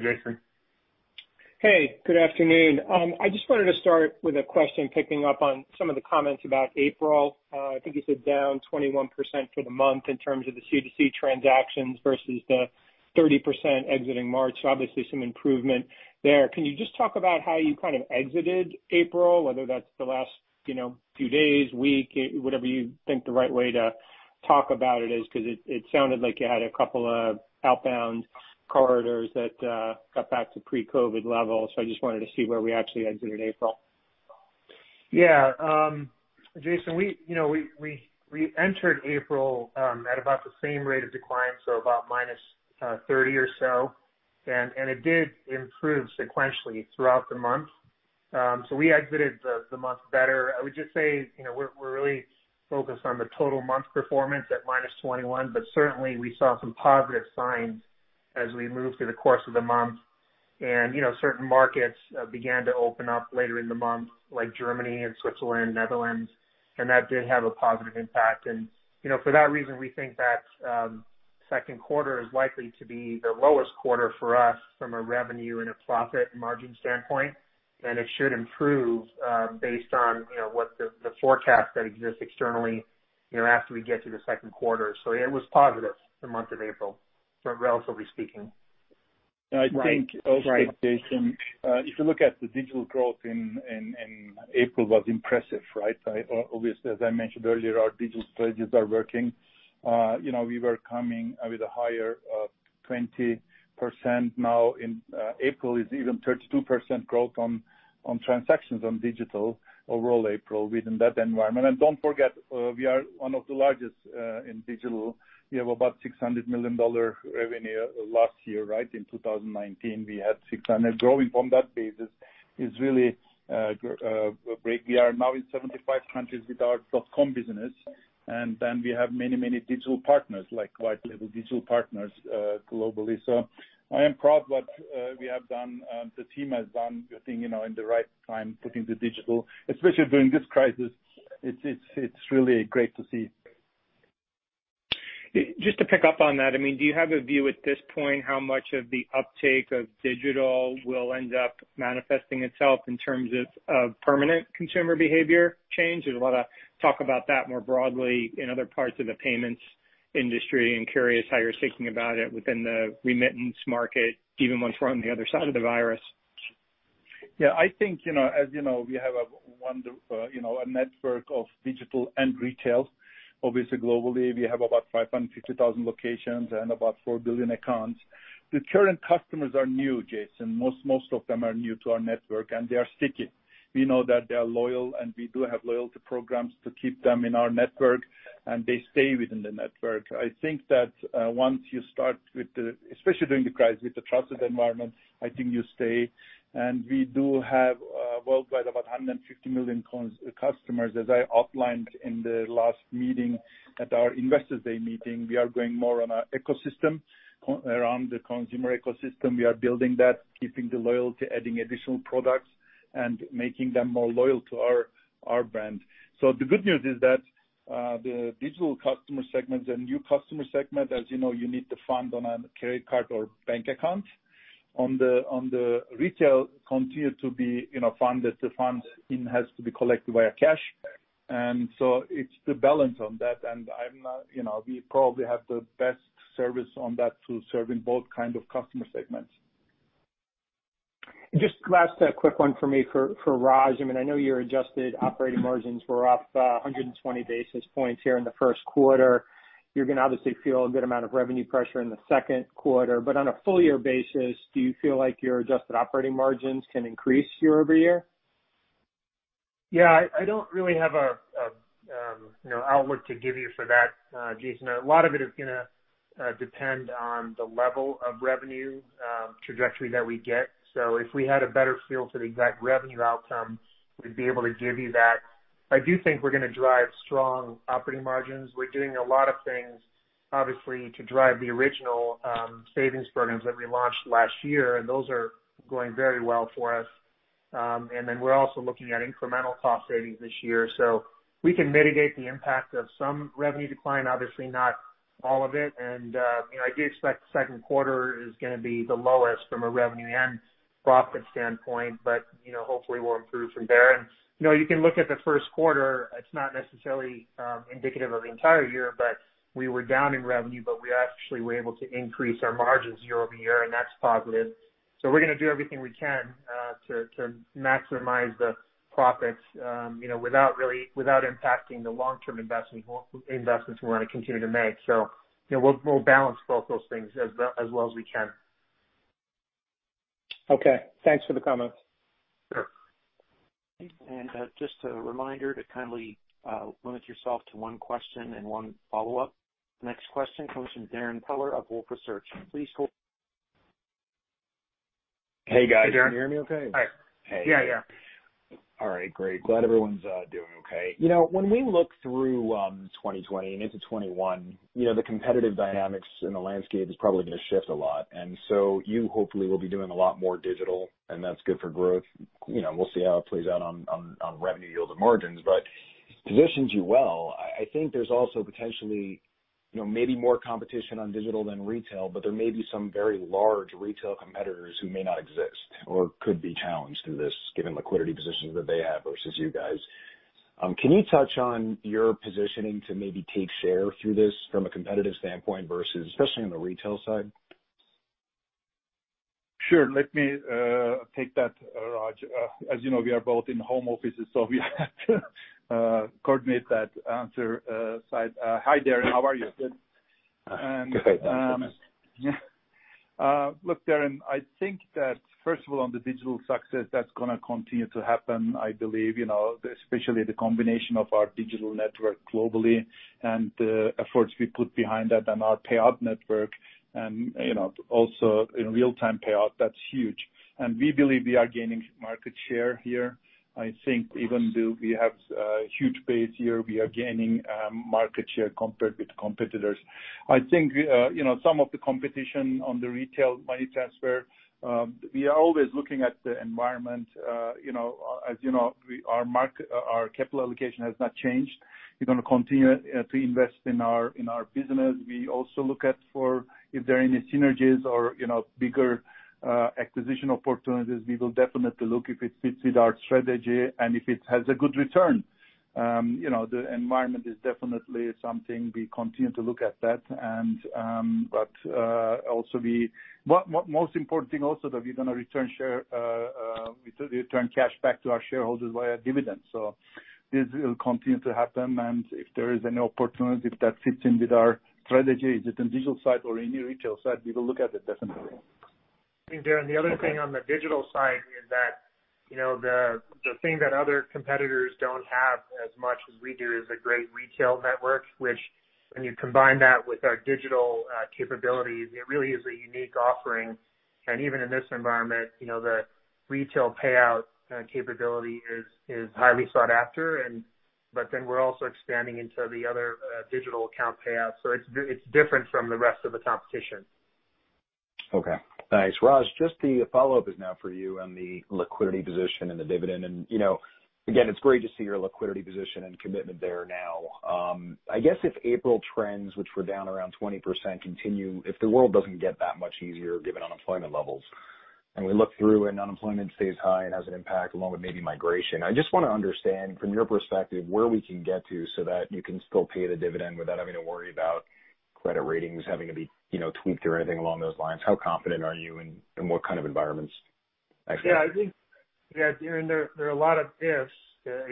D: Jason.
F: Hey, good afternoon. I just wanted to start with a question, picking up on some of the comments about April. I think you said down 21% for the month in terms of the C2C transactions versus the 30% exiting March. Obviously some improvement there. Can you just talk about how you kind of exited April, whether that's the last few days, week, whatever you think the right way to talk about it is, because it sounded like you had a couple of outbound corridors that got back to pre-COVID levels. I just wanted to see where we actually exited April.
D: Jason, we entered April at about the same rate of decline, so about minus 30 or so. It did improve sequentially throughout the month. We exited the month better. I would just say, we're really focused on the total month performance at minus 21. Certainly we saw some positive signs as we moved through the course of the month. Certain markets began to open up later in the month, like Germany and Switzerland, Netherlands. That did have a positive impact. For that reason, we think that second quarter is likely to be the lowest quarter for us from a revenue and a profit margin standpoint. It should improve based on the forecast that exists externally after we get to the second quarter. It was positive, the month of April, relatively speaking.
C: I think also, Jason, if you look at the digital growth in April was impressive, right? Obviously, as I mentioned earlier, our digital strategies are working. We were coming with a higher 20%. Now in April is even 32% growth on transactions on digital overall April within that environment. Don't forget, we are one of the largest in digital. We have about $600 million revenue last year. In 2019, we had $600 million. Growing from that basis is really great. We are now in 75 countries with our .com business, and then we have many digital partners, like white label digital partners globally. I am proud what we have done, the team has done, I think in the right time, putting the digital, especially during this crisis. It's really great to see.
F: Just to pick up on that. Do you have a view at this point how much of the uptake of digital will end up manifesting itself in terms of permanent consumer behavior change? There's a lot of talk about that more broadly in other parts of the payments industry. I'm curious how you're thinking about it within the remittance market, even once we're on the other side of the virus.
C: Yeah, I think, as you know, we have a network of digital and retail. Globally, we have about 550,000 locations and about 4 billion accounts. The current customers are new, Jason. Most of them are new to our network, and they are sticking. We know that they are loyal, and we do have loyalty programs to keep them in our network, and they stay within the network. I think that once you start with the, especially during the crisis, with the trusted environment, I think you stay. We do have worldwide about 150 million customers, as I outlined in the last meeting at our Investors Day meeting. We are going more on our ecosystem, around the consumer ecosystem. We are building that, keeping the loyalty, adding additional products, and making them more loyal to our brand. The good news is that, the digital customer segment is a new customer segment. As you know, you need to fund on a credit card or bank account. On the retail continue to be funded. The funds has to be collected via cash. It's the balance on that, and we probably have the best service on that to serving both kind of customer segments.
F: Just last quick one from me for Raj. I know your adjusted operating margins were up 120 basis points here in the first quarter. On a full-year basis, do you feel like your adjusted operating margins can increase year-over-year?
D: Yeah. I don't really have an outlook to give you for that, Jason. A lot of it is going to depend on the level of revenue trajectory that we get. If we had a better feel for the exact revenue outcome, we'd be able to give you that. I do think we're going to drive strong operating margins. We're doing a lot of things, obviously, to drive the original savings programs that we launched last year, and those are going very well for us. We're also looking at incremental cost savings this year. We can mitigate the impact of some revenue decline, obviously not all of it. I do expect the second quarter is going to be the lowest from a revenue and profit standpoint. Hopefully we'll improve from there. You can look at the first quarter. It's not necessarily indicative of the entire year, but we were down in revenue, but we actually were able to increase our margins year-over-year, and that's positive. We're going to do everything we can to maximize the profits without impacting the long-term investments we want to continue to make. We'll balance both those things as well as we can.
F: Okay. Thanks for the comments.
D: Sure.
A: Just a reminder to kindly limit yourself to one question and one follow-up. Next question comes from Darrin Peller of Wolfe Research.
G: Hey, guys.
D: Hey, Darrin.
G: Can you hear me okay?
D: Hi. Yeah.
G: All right, great. Glad everyone's doing okay. When we look through 2020 and into 2021, the competitive dynamics in the landscape is probably going to shift a lot. You hopefully will be doing a lot more digital, and that's good for growth. We'll see how it plays out on revenue yields and margins. It positions you well. I think there's also potentially maybe more competition on digital than retail, but there may be some very large retail competitors who may not exist or could be challenged through this, given liquidity positions that they have versus you guys. Can you touch on your positioning to maybe take share through this from a competitive standpoint versus especially on the retail side?
C: Sure. Let me take that, Raj. As you know, we are both in home offices, so we have to coordinate that answer side. Hi, Darrin. How are you? Good?
G: Great. Thanks so much.
C: Darrin, I think that first of all, on the digital success, that's going to continue to happen, I believe, especially the combination of our digital network globally and the efforts we put behind that and our payout network, and also in real-time payout, that's huge. We believe we are gaining market share here. I think even though we have a huge base here, we are gaining market share compared with competitors. I think some of the competition on the retail money transfer we are always looking at the environment. As you know, our capital allocation has not changed. We're going to continue to invest in our business. We also look at for if there are any synergies or bigger acquisition opportunities. We will definitely look if it fits with our strategy and if it has a good return. The environment is definitely something we continue to look at that. Most important thing also that we're going to return cash back to our shareholders via dividends. This will continue to happen, and if there is any opportunity that fits in with our strategy, is it in digital side or in the retail side, we will look at it definitely.
D: Darrin, the other thing on the digital side is that the thing that other competitors don't have as much as we do is a great retail network, which when you combine that with our digital capabilities, it really is a unique offering. Even in this environment the retail payout capability is highly sought after. We're also expanding into the other digital account payouts. It's different from the rest of the competition.
G: Okay, thanks. Raj, just the follow-up is now for you on the liquidity position and the dividend. Again, it's great to see your liquidity position and commitment there now. I guess if April trends, which were down around 20%, continue, if the world doesn't get that much easier given unemployment levels, and we look through and unemployment stays high and has an impact along with maybe migration. I just want to understand from your perspective, where we can get to so that you can still pay the dividend without having to worry about credit ratings having to be tweaked or anything along those lines. How confident are you in what kind of environments?
D: Yeah, Darrin, there are a lot of ifs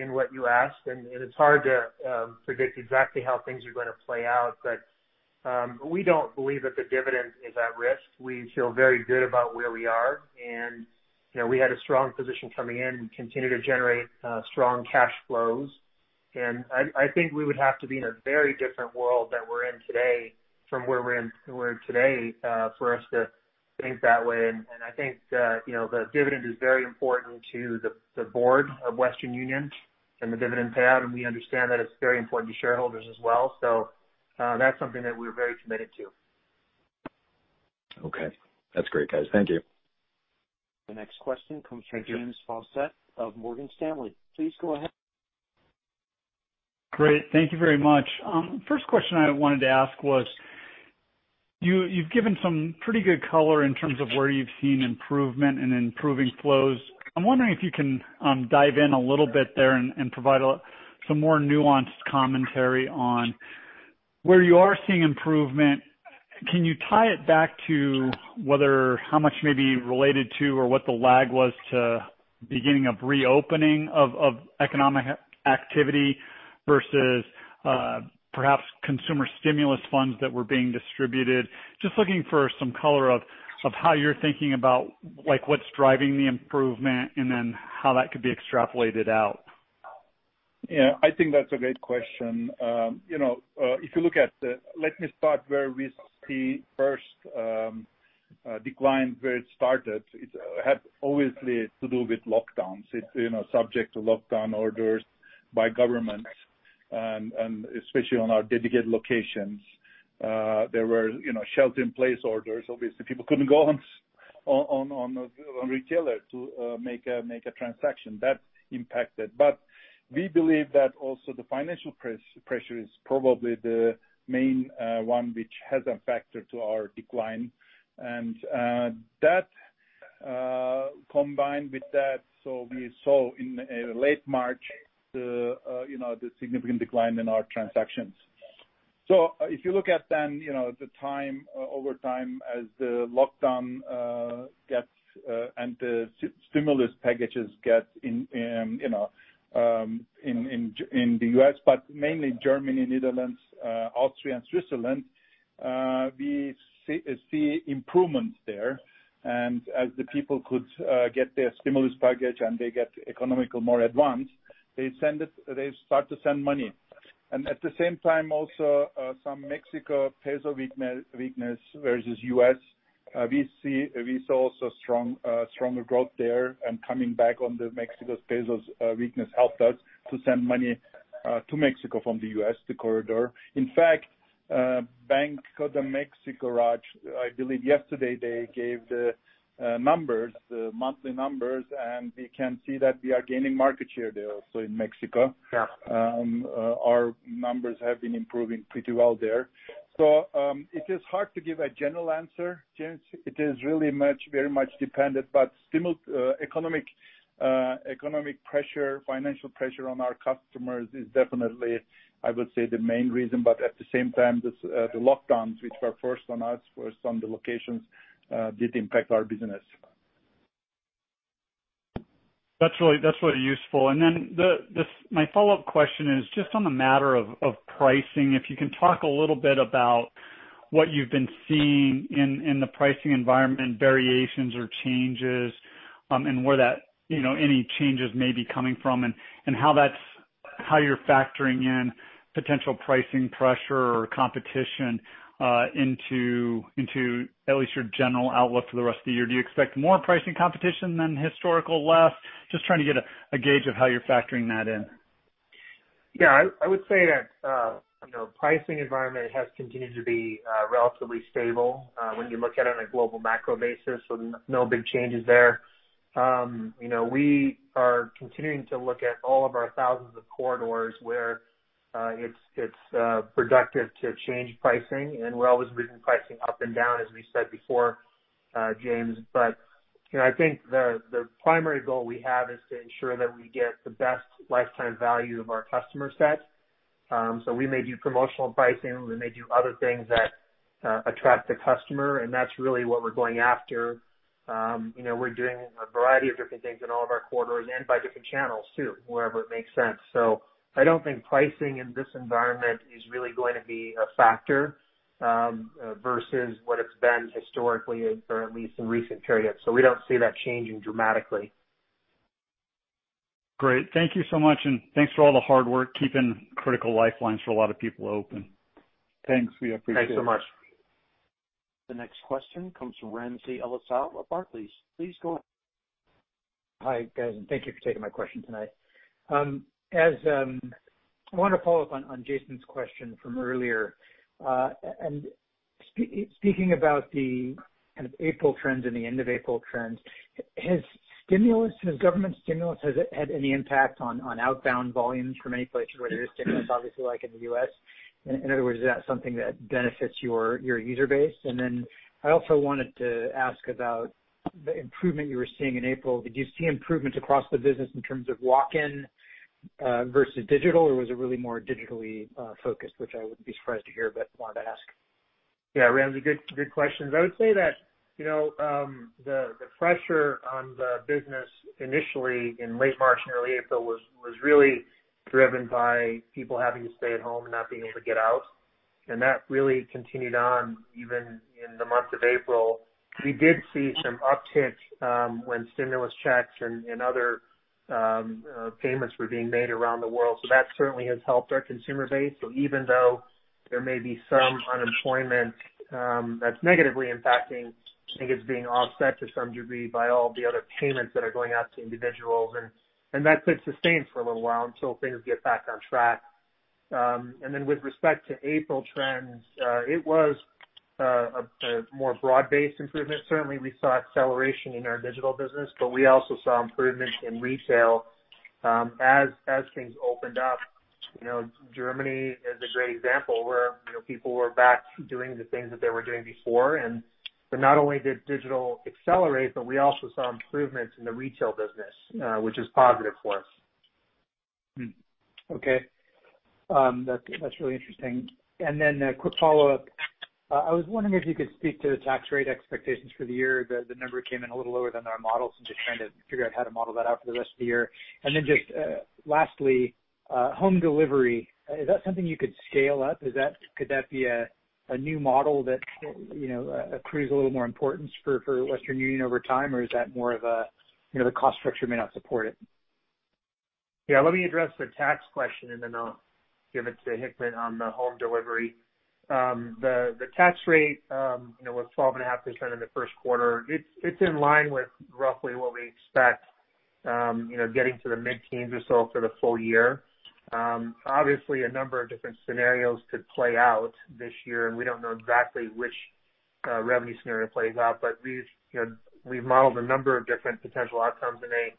D: in what you asked, and it's hard to predict exactly how things are going to play out. We don't believe that the dividend is at risk. We feel very good about where we are. We had a strong position coming in. We continue to generate strong cash flows. I think we would have to be in a very different world than we're in today for us to think that way. I think the dividend is very important to the board of Western Union and the dividend payout, and we understand that it's very important to shareholders as well. That's something that we're very committed to.
G: Okay. That's great, guys. Thank you.
A: The next question comes from James Faucette of Morgan Stanley. Please go ahead.
H: Great. Thank you very much. First question I wanted to ask was, you've given some pretty good color in terms of where you've seen improvement and improving flows. I'm wondering if you can dive in a little bit there and provide some more nuanced commentary on where you are seeing improvement. Can you tie it back to how much may be related to or what the lag was to beginning of reopening of economic activity versus perhaps consumer stimulus funds that were being distributed? I am just looking for some color of how you're thinking about what's driving the improvement and then how that could be extrapolated out.
C: Yeah, I think that's a great question. Let me start where we see first decline, where it started. It had obviously to do with lockdowns. It's subject to lockdown orders by governments and especially on our dedicated locations. There were shelter-in-place orders. Obviously, people couldn't go on retailer to make a transaction. That impacted. We believe that also the financial pressure is probably the main one which has a factor to our decline. Combined with that, we saw in late March the significant decline in our transactions. If you look at then, the time, over time as the lockdown gets, and the stimulus packages get in the U.S., but mainly Germany, Netherlands, Austria, and Switzerland, we see improvements there. As the people could get their stimulus package and they get economical more advanced, they start to send money. At the same time also, some Mexico's peso weakness versus USD, we saw also stronger growth there. Coming back on the Mexico's peso weakness helped us to send money to Mexico from the U.S., the corridor. In fact, Bank of Mexico, Raj, I believe yesterday they gave the numbers, the monthly numbers, and we can see that we are gaining market share there also in Mexico.
H: Yeah.
C: Our numbers have been improving pretty well there. It is hard to give a general answer, James. It is really very much dependent. Economic pressure, financial pressure on our customers is definitely, I would say, the main reason. At the same time, the lockdowns, which were first on us for some of the locations, did impact our business.
H: That's really useful. My follow-up question is just on the matter of pricing. If you can talk a little bit about what you've been seeing in the pricing environment, variations or changes, and where any changes may be coming from, and how you're factoring in potential pricing pressure or competition into at least your general outlook for the rest of the year? Do you expect more pricing competition than historical less? Just trying to get a gauge of how you're factoring that in.
D: I would say that pricing environment has continued to be relatively stable when you look at it on a global macro basis. No big changes there. We are continuing to look at all of our thousands of corridors where it's productive to change pricing, and we're always moving pricing up and down, as we said before, James. I think the primary goal we have is to ensure that we get the best lifetime value of our customer set. We may do promotional pricing. We may do other things that attract the customer, and that's really what we're going after. We're doing a variety of different things in all of our corridors and by different channels too, wherever it makes sense. I don't think pricing in this environment is really going to be a factor versus what it's been historically or at least in recent periods. We don't see that changing dramatically.
H: Great. Thank you so much, and thanks for all the hard work keeping critical lifelines for a lot of people open.
C: Thanks. We appreciate it.
D: Thanks so much.
A: The next question comes from Ramsey El-Assal of Barclays. Please go ahead.
I: Hi, guys, and thank you for taking my question tonight. I want to follow up on Jason's question from earlier. Speaking about the kind of April trends and the end of April trends, has government stimulus had any impact on outbound volumes from any place where there is stimulus, obviously like in the U.S.? In other words, is that something that benefits your user base? I also wanted to ask about the improvement you were seeing in April. Did you see improvements across the business in terms of walk-in versus digital, or was it really more digitally-focused, which I wouldn't be surprised to hear, but wanted to ask.
D: Ramsey, good questions. I would say that the pressure on the business initially in late March and early April was really driven by people having to stay at home and not being able to get out. That really continued on even in the month of April. We did see some uptick when stimulus checks and other payments were being made around the world. That certainly has helped our consumer base. Even though there may be some unemployment that's negatively impacting, I think it's being offset to some degree by all the other payments that are going out to individuals, and that could sustain for a little while until things get back on track. With respect to April trends, it was a more broad-based improvement. Certainly, we saw acceleration in our digital business, but we also saw improvement in retail as things opened up. Germany is a great example where people were back doing the things that they were doing before. Not only did digital accelerate, but we also saw improvements in the retail business, which is positive for us.
I: Okay. That's really interesting. Then a quick follow-up. I was wondering if you could speak to the tax rate expectations for the year. The number came in a little lower than our models. I'm just trying to figure out how to model that out for the rest of the year. Just lastly, home delivery, is that something you could scale up? Could that be a new model that accrues a little more importance for Western Union over time, or is that more of a cost structure may not support it?
D: Yeah. Let me address the tax question, then I'll give it to Hikmet on the home delivery. The tax rate was 12.5% in the first quarter. It's in line with roughly what we expect getting to the mid-teens or so for the full year. Obviously, a number of different scenarios could play out this year, and we don't know exactly which revenue scenario plays out. We've modeled a number of different potential outcomes, and they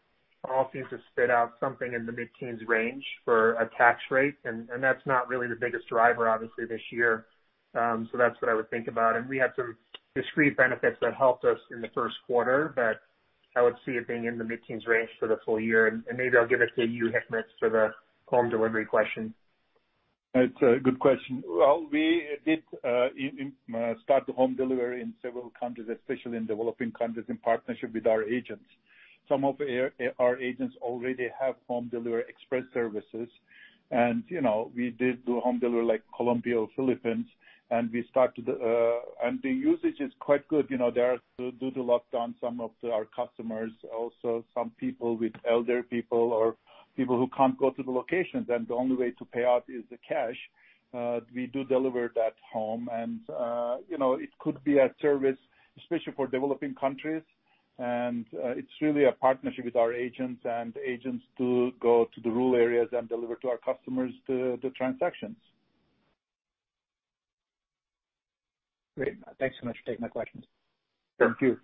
D: all seem to spit out something in the mid-teens range for a tax rate. That's not really the biggest driver, obviously, this year. That's what I would think about. We had some discrete benefits that helped us in the first quarter, but I would see it being in the mid-teens range for the full year. Maybe I'll give it to you, Hikmet, for the home delivery question.
C: It's a good question. Well, we did start the home delivery in several countries, especially in developing countries, in partnership with our agents. Some of our agents already have home delivery express services. We did do home delivery like Colombia or Philippines. The usage is quite good. Due to lockdown, some of our customers, also some people with elderly people or people who can't go to the locations and the only way to pay out is the cash, we do deliver it at home. It could be a service, especially for developing countries. It's really a partnership with our agents to go to the rural areas and deliver to our customers the transactions.
I: Great. Thanks so much for taking my questions.
C: Thank you.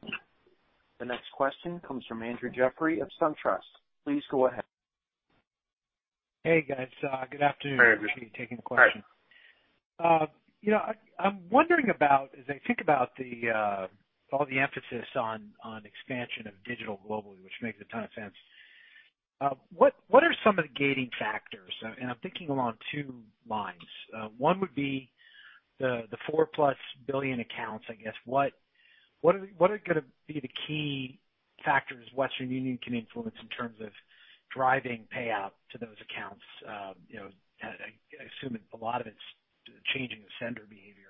A: The next question comes from Andrew Jeffrey of SunTrust. Please go ahead.
J: Hey, guys. Good afternoon.
C: Hi, Andrew.
J: Appreciate you taking the question. I'm wondering about, as I think about all the emphasis on expansion of digital globally, which makes a ton of sense, what are some of the gating factors? I'm thinking along two lines. One would be the 4-plus billion accounts, I guess. What are going to be the key factors Western Union can influence in terms of driving payout to those accounts? I assume a lot of it's changing the sender behavior.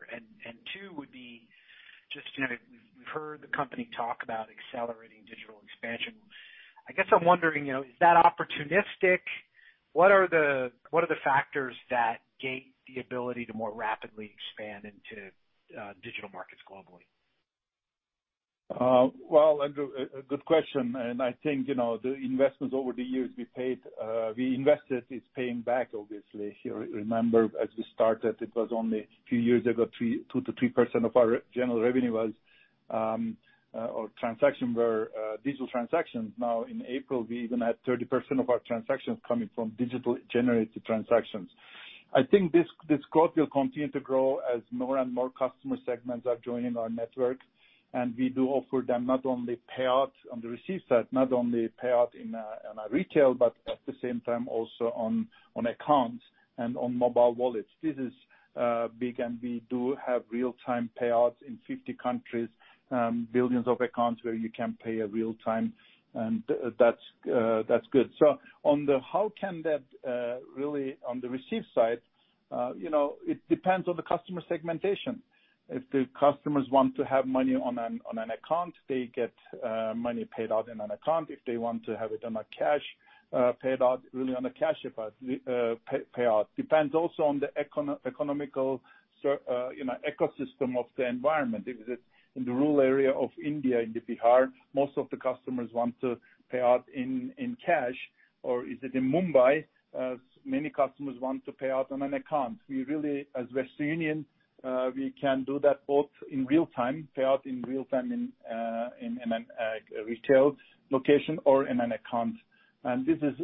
J: Two would be just we've heard the company talk about accelerating digital expansion. I guess I'm wondering, is that opportunistic? What are the factors that gate the ability to more rapidly expand into digital markets globally?
C: Andrew, a good question. I think the investments over the years we invested is paying back, obviously. Remember, as we started, it was only a few years ago, 2% to 3% of our general revenue was or transaction were digital transactions. Now in April, we even had 30% of our transactions coming from digital-generated transactions. I think this growth will continue to grow as more and more customer segments are joining our network. We do offer them not only payout on the receive side, not only payout in a retail, but at the same time also on accounts and on mobile wallets. This is big. We do have real-time payouts in 50 countries, billions of accounts where you can pay real time. That's good. On the how can that really on the receive side, it depends on the customer segmentation. If the customers want to have money on an account, they get money paid out in an account. If they want to have it on a cash paid out really on a cash payout. Depends also on the economic ecosystem of the environment. If it's in the rural area of India, in Bihar, most of the customers want to pay out in cash. Is it in Mumbai, many customers want to pay out on an account. We really, as Western Union, can do that both in real time, pay out in real time in a retail location or in an account. This is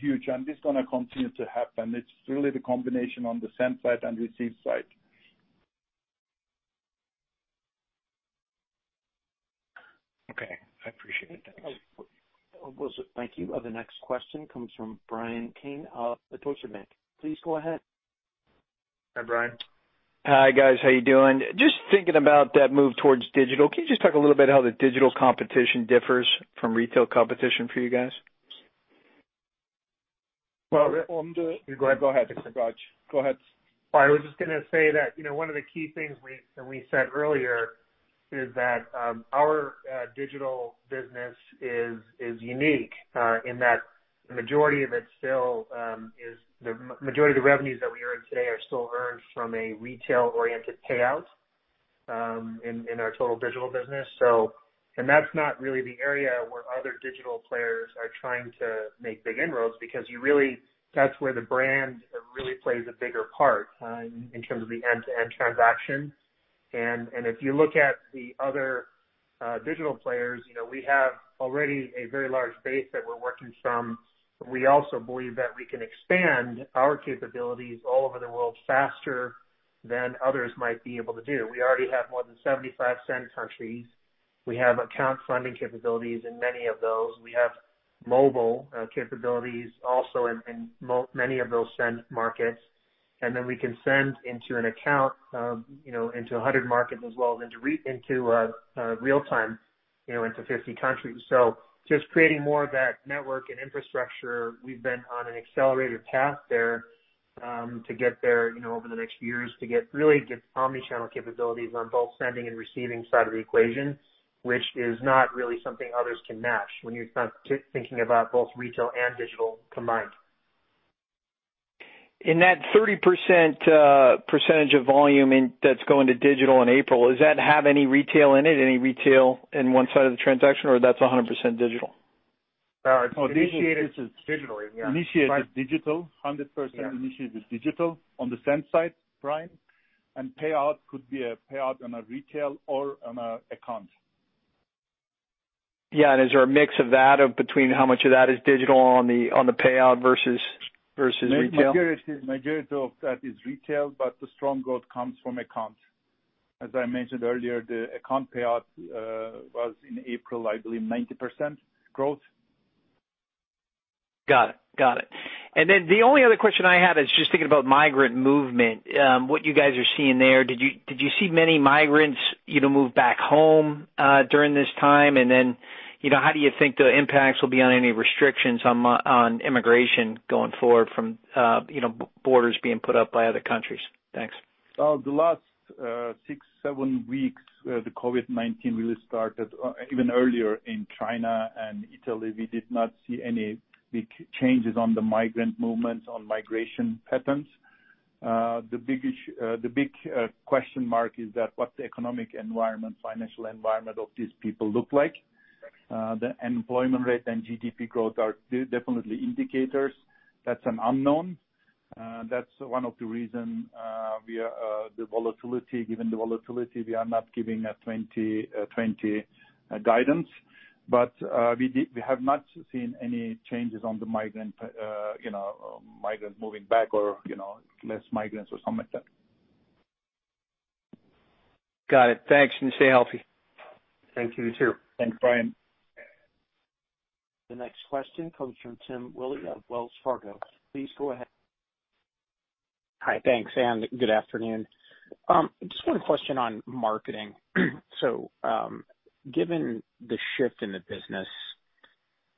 C: huge, and it's going to continue to happen. It's really the combination on the send side and receive side.
J: Okay. I appreciate it. Thanks.
A: Thank you. The next question comes from Bryan Keane of the Deutsche Bank. Please go ahead.
C: Hi, Bryan.
K: Hi, guys. How you doing? Just thinking about that move towards digital, can you just talk a little bit how the digital competition differs from retail competition for you guys?
D: Well-
C: I'm do-
D: Go ahead.
C: Go ahead, Raj. Go ahead.
D: I was just going to say that one of the key things and we said earlier is that our digital business is unique in that the majority of the revenues that we earn today are still earned from a retail-oriented payout in our total digital business. That's not really the area where other digital players are trying to make big inroads because that's where the brand really plays a bigger part in terms of the end-to-end transaction. If you look at the other digital players, we have already a very large base that we're working from. We also believe that we can expand our capabilities all over the world faster than others might be able to do. We already have more than 75 send countries. We have account funding capabilities in many of those. We have mobile capabilities also in many of those send markets. We can send into an account into 100 markets as well, into real-time into 50 countries. Just creating more of that network and infrastructure, we've been on an accelerated path there to get there over the next few years, to really get omni-channel capabilities on both sending and receiving side of the equation. Which is not really something others can match when you're thinking about both retail and digital combined.
K: In that 30% percentage of volume that's going to digital in April, does that have any retail in it, any retail in one side of the transaction, or that's 100% digital?
D: It's digital, yeah.
C: Initiated digital, 100% initiated digital on the send side, Bryan. Payout could be a payout on a retail or on an account.
K: Yeah. Is there a mix of that between how much of that is digital on the payout versus retail?
C: Majority of that is retail, but the strong growth comes from accounts. As I mentioned earlier, the account payout was in April, I believe, 90% growth.
K: Got it. The only other question I had is just thinking about migrant movement. What you guys are seeing there, did you see many migrants move back home during this time? How do you think the impacts will be on any restrictions on immigration going forward from borders being put up by other countries? Thanks.
C: The last six, seven weeks, the COVID-19 really started even earlier in China and Italy. We did not see any big changes on the migrant movements, on migration patterns. The big question mark is that what the economic environment, financial environment of these people look like. The unemployment rate and GDP growth are definitely indicators. That's an unknown. That's one of the reason given the volatility, we are not giving a 2020 guidance. We have not seen any changes on the migrant moving back or less migrants or something like that.
K: Got it. Thanks. Stay healthy.
C: Thank you. You too.
D: Thanks, Bryan.
A: The next question comes from Tim Willi of Wells Fargo. Please go ahead.
L: Hi. Thanks, and good afternoon. Just one question on marketing. Given the shift in the business,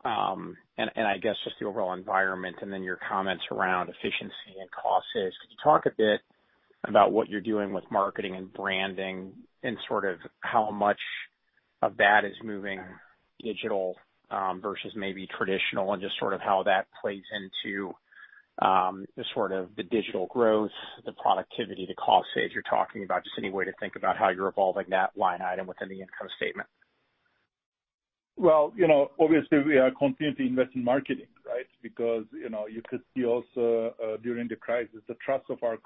L: and I guess just the overall environment and then your comments around efficiency and cost saves, could you talk a bit about what you're doing with marketing and branding and sort of how much of that is moving digital versus maybe traditional? Just sort of how that plays into the sort of the digital growth, the productivity, the cost save you're talking about. Just any way to think about how you're evolving that line item within the income statement.
C: Well, obviously we are continuing to invest in marketing, right? You could see also during the crisis, the trust of our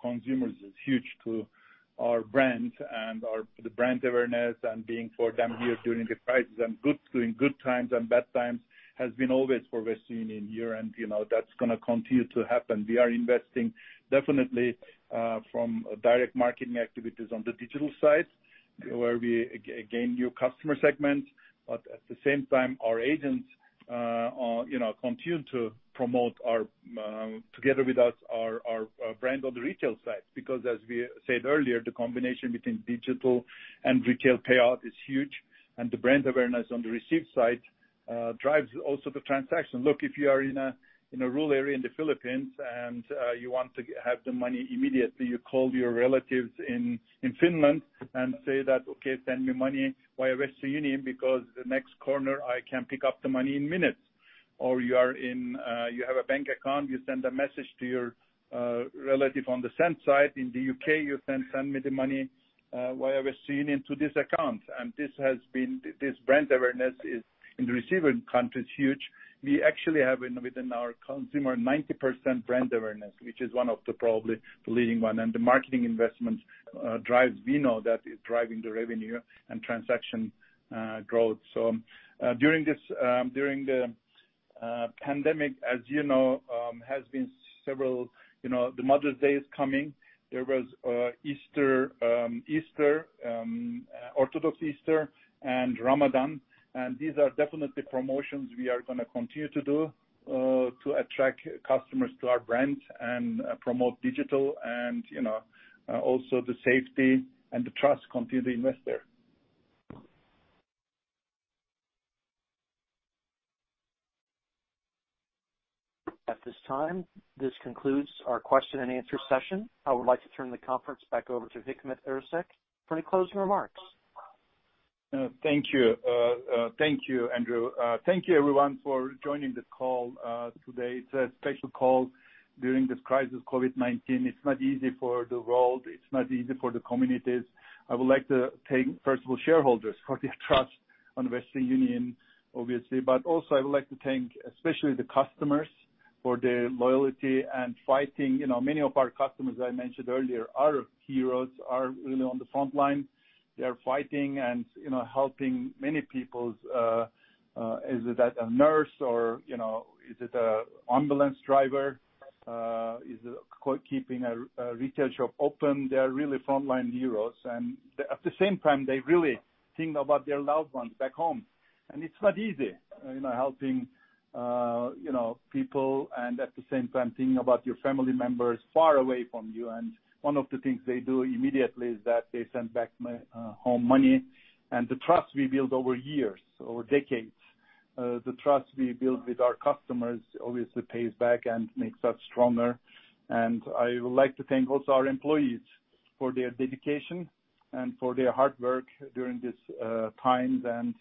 C: consumers is huge to our brand and the brand awareness and being for them here during the crisis and during good times and bad times has been always for Western Union here, and that's going to continue to happen. We are investing definitely from direct marketing activities on the digital side where we gain new customer segments. At the same time, our agents continue to promote together with us our brand on the retail side. As we said earlier, the combination between digital and retail payout is huge, and the brand awareness on the receipt side drives also the transaction. Look, if you are in a rural area in the Philippines and you want to have the money immediately, you call your relatives in Finland and say that, "Okay, send me money via Western Union because the next corner I can pick up the money in minutes." You have a bank account, you send a message to your relative on the send side in the U.K., you can send me the money via Western Union to this account. This brand awareness is in the receiving countries huge. We actually have within our consumer 90% brand awareness, which is one of the probably the leading one. The marketing investment, we know that is driving the revenue and transaction growth. During the pandemic, as you know, Mother's Day is coming. There was Orthodox Easter and Ramadan, and these are definitely promotions we are going to continue to do to attract customers to our brand and promote digital and also the safety and the trust continue to invest there.
A: At this time, this concludes our Q&A session. I would like to turn the conference back over to Hikmet Ersek for any closing remarks.
C: Thank you. Thank you, Andrew. Thank you everyone for joining this call today. It's a special call during this crisis, COVID-19. It's not easy for the world. It's not easy for the communities. I would like to thank, first of all, shareholders for their trust on Western Union, obviously. Also I would like to thank especially the customers for their loyalty and fighting. Many of our customers, I mentioned earlier, are heroes, are really on the frontline. They are fighting and helping many people. Is it a nurse or is it an ambulance driver? Is it keeping a retail shop open? They are really frontline heroes. At the same time, they really think about their loved ones back home. It's not easy helping people and at the same time thinking about your family members far away from you. One of the things they do immediately is that they send back home money. The trust we build over years, over decades, the trust we build with our customers obviously pays back and makes us stronger. I would like to thank also our employees for their dedication and for their hard work during this time and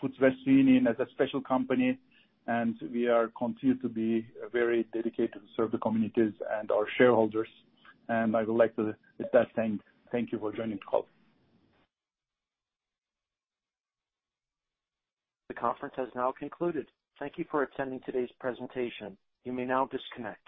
C: puts Western Union as a special company, and we continue to be very dedicated to serve the communities and our shareholders. I would like to, with that, thank you for joining the call.
A: The conference has now concluded. Thank you for attending today's presentation. You may now disconnect.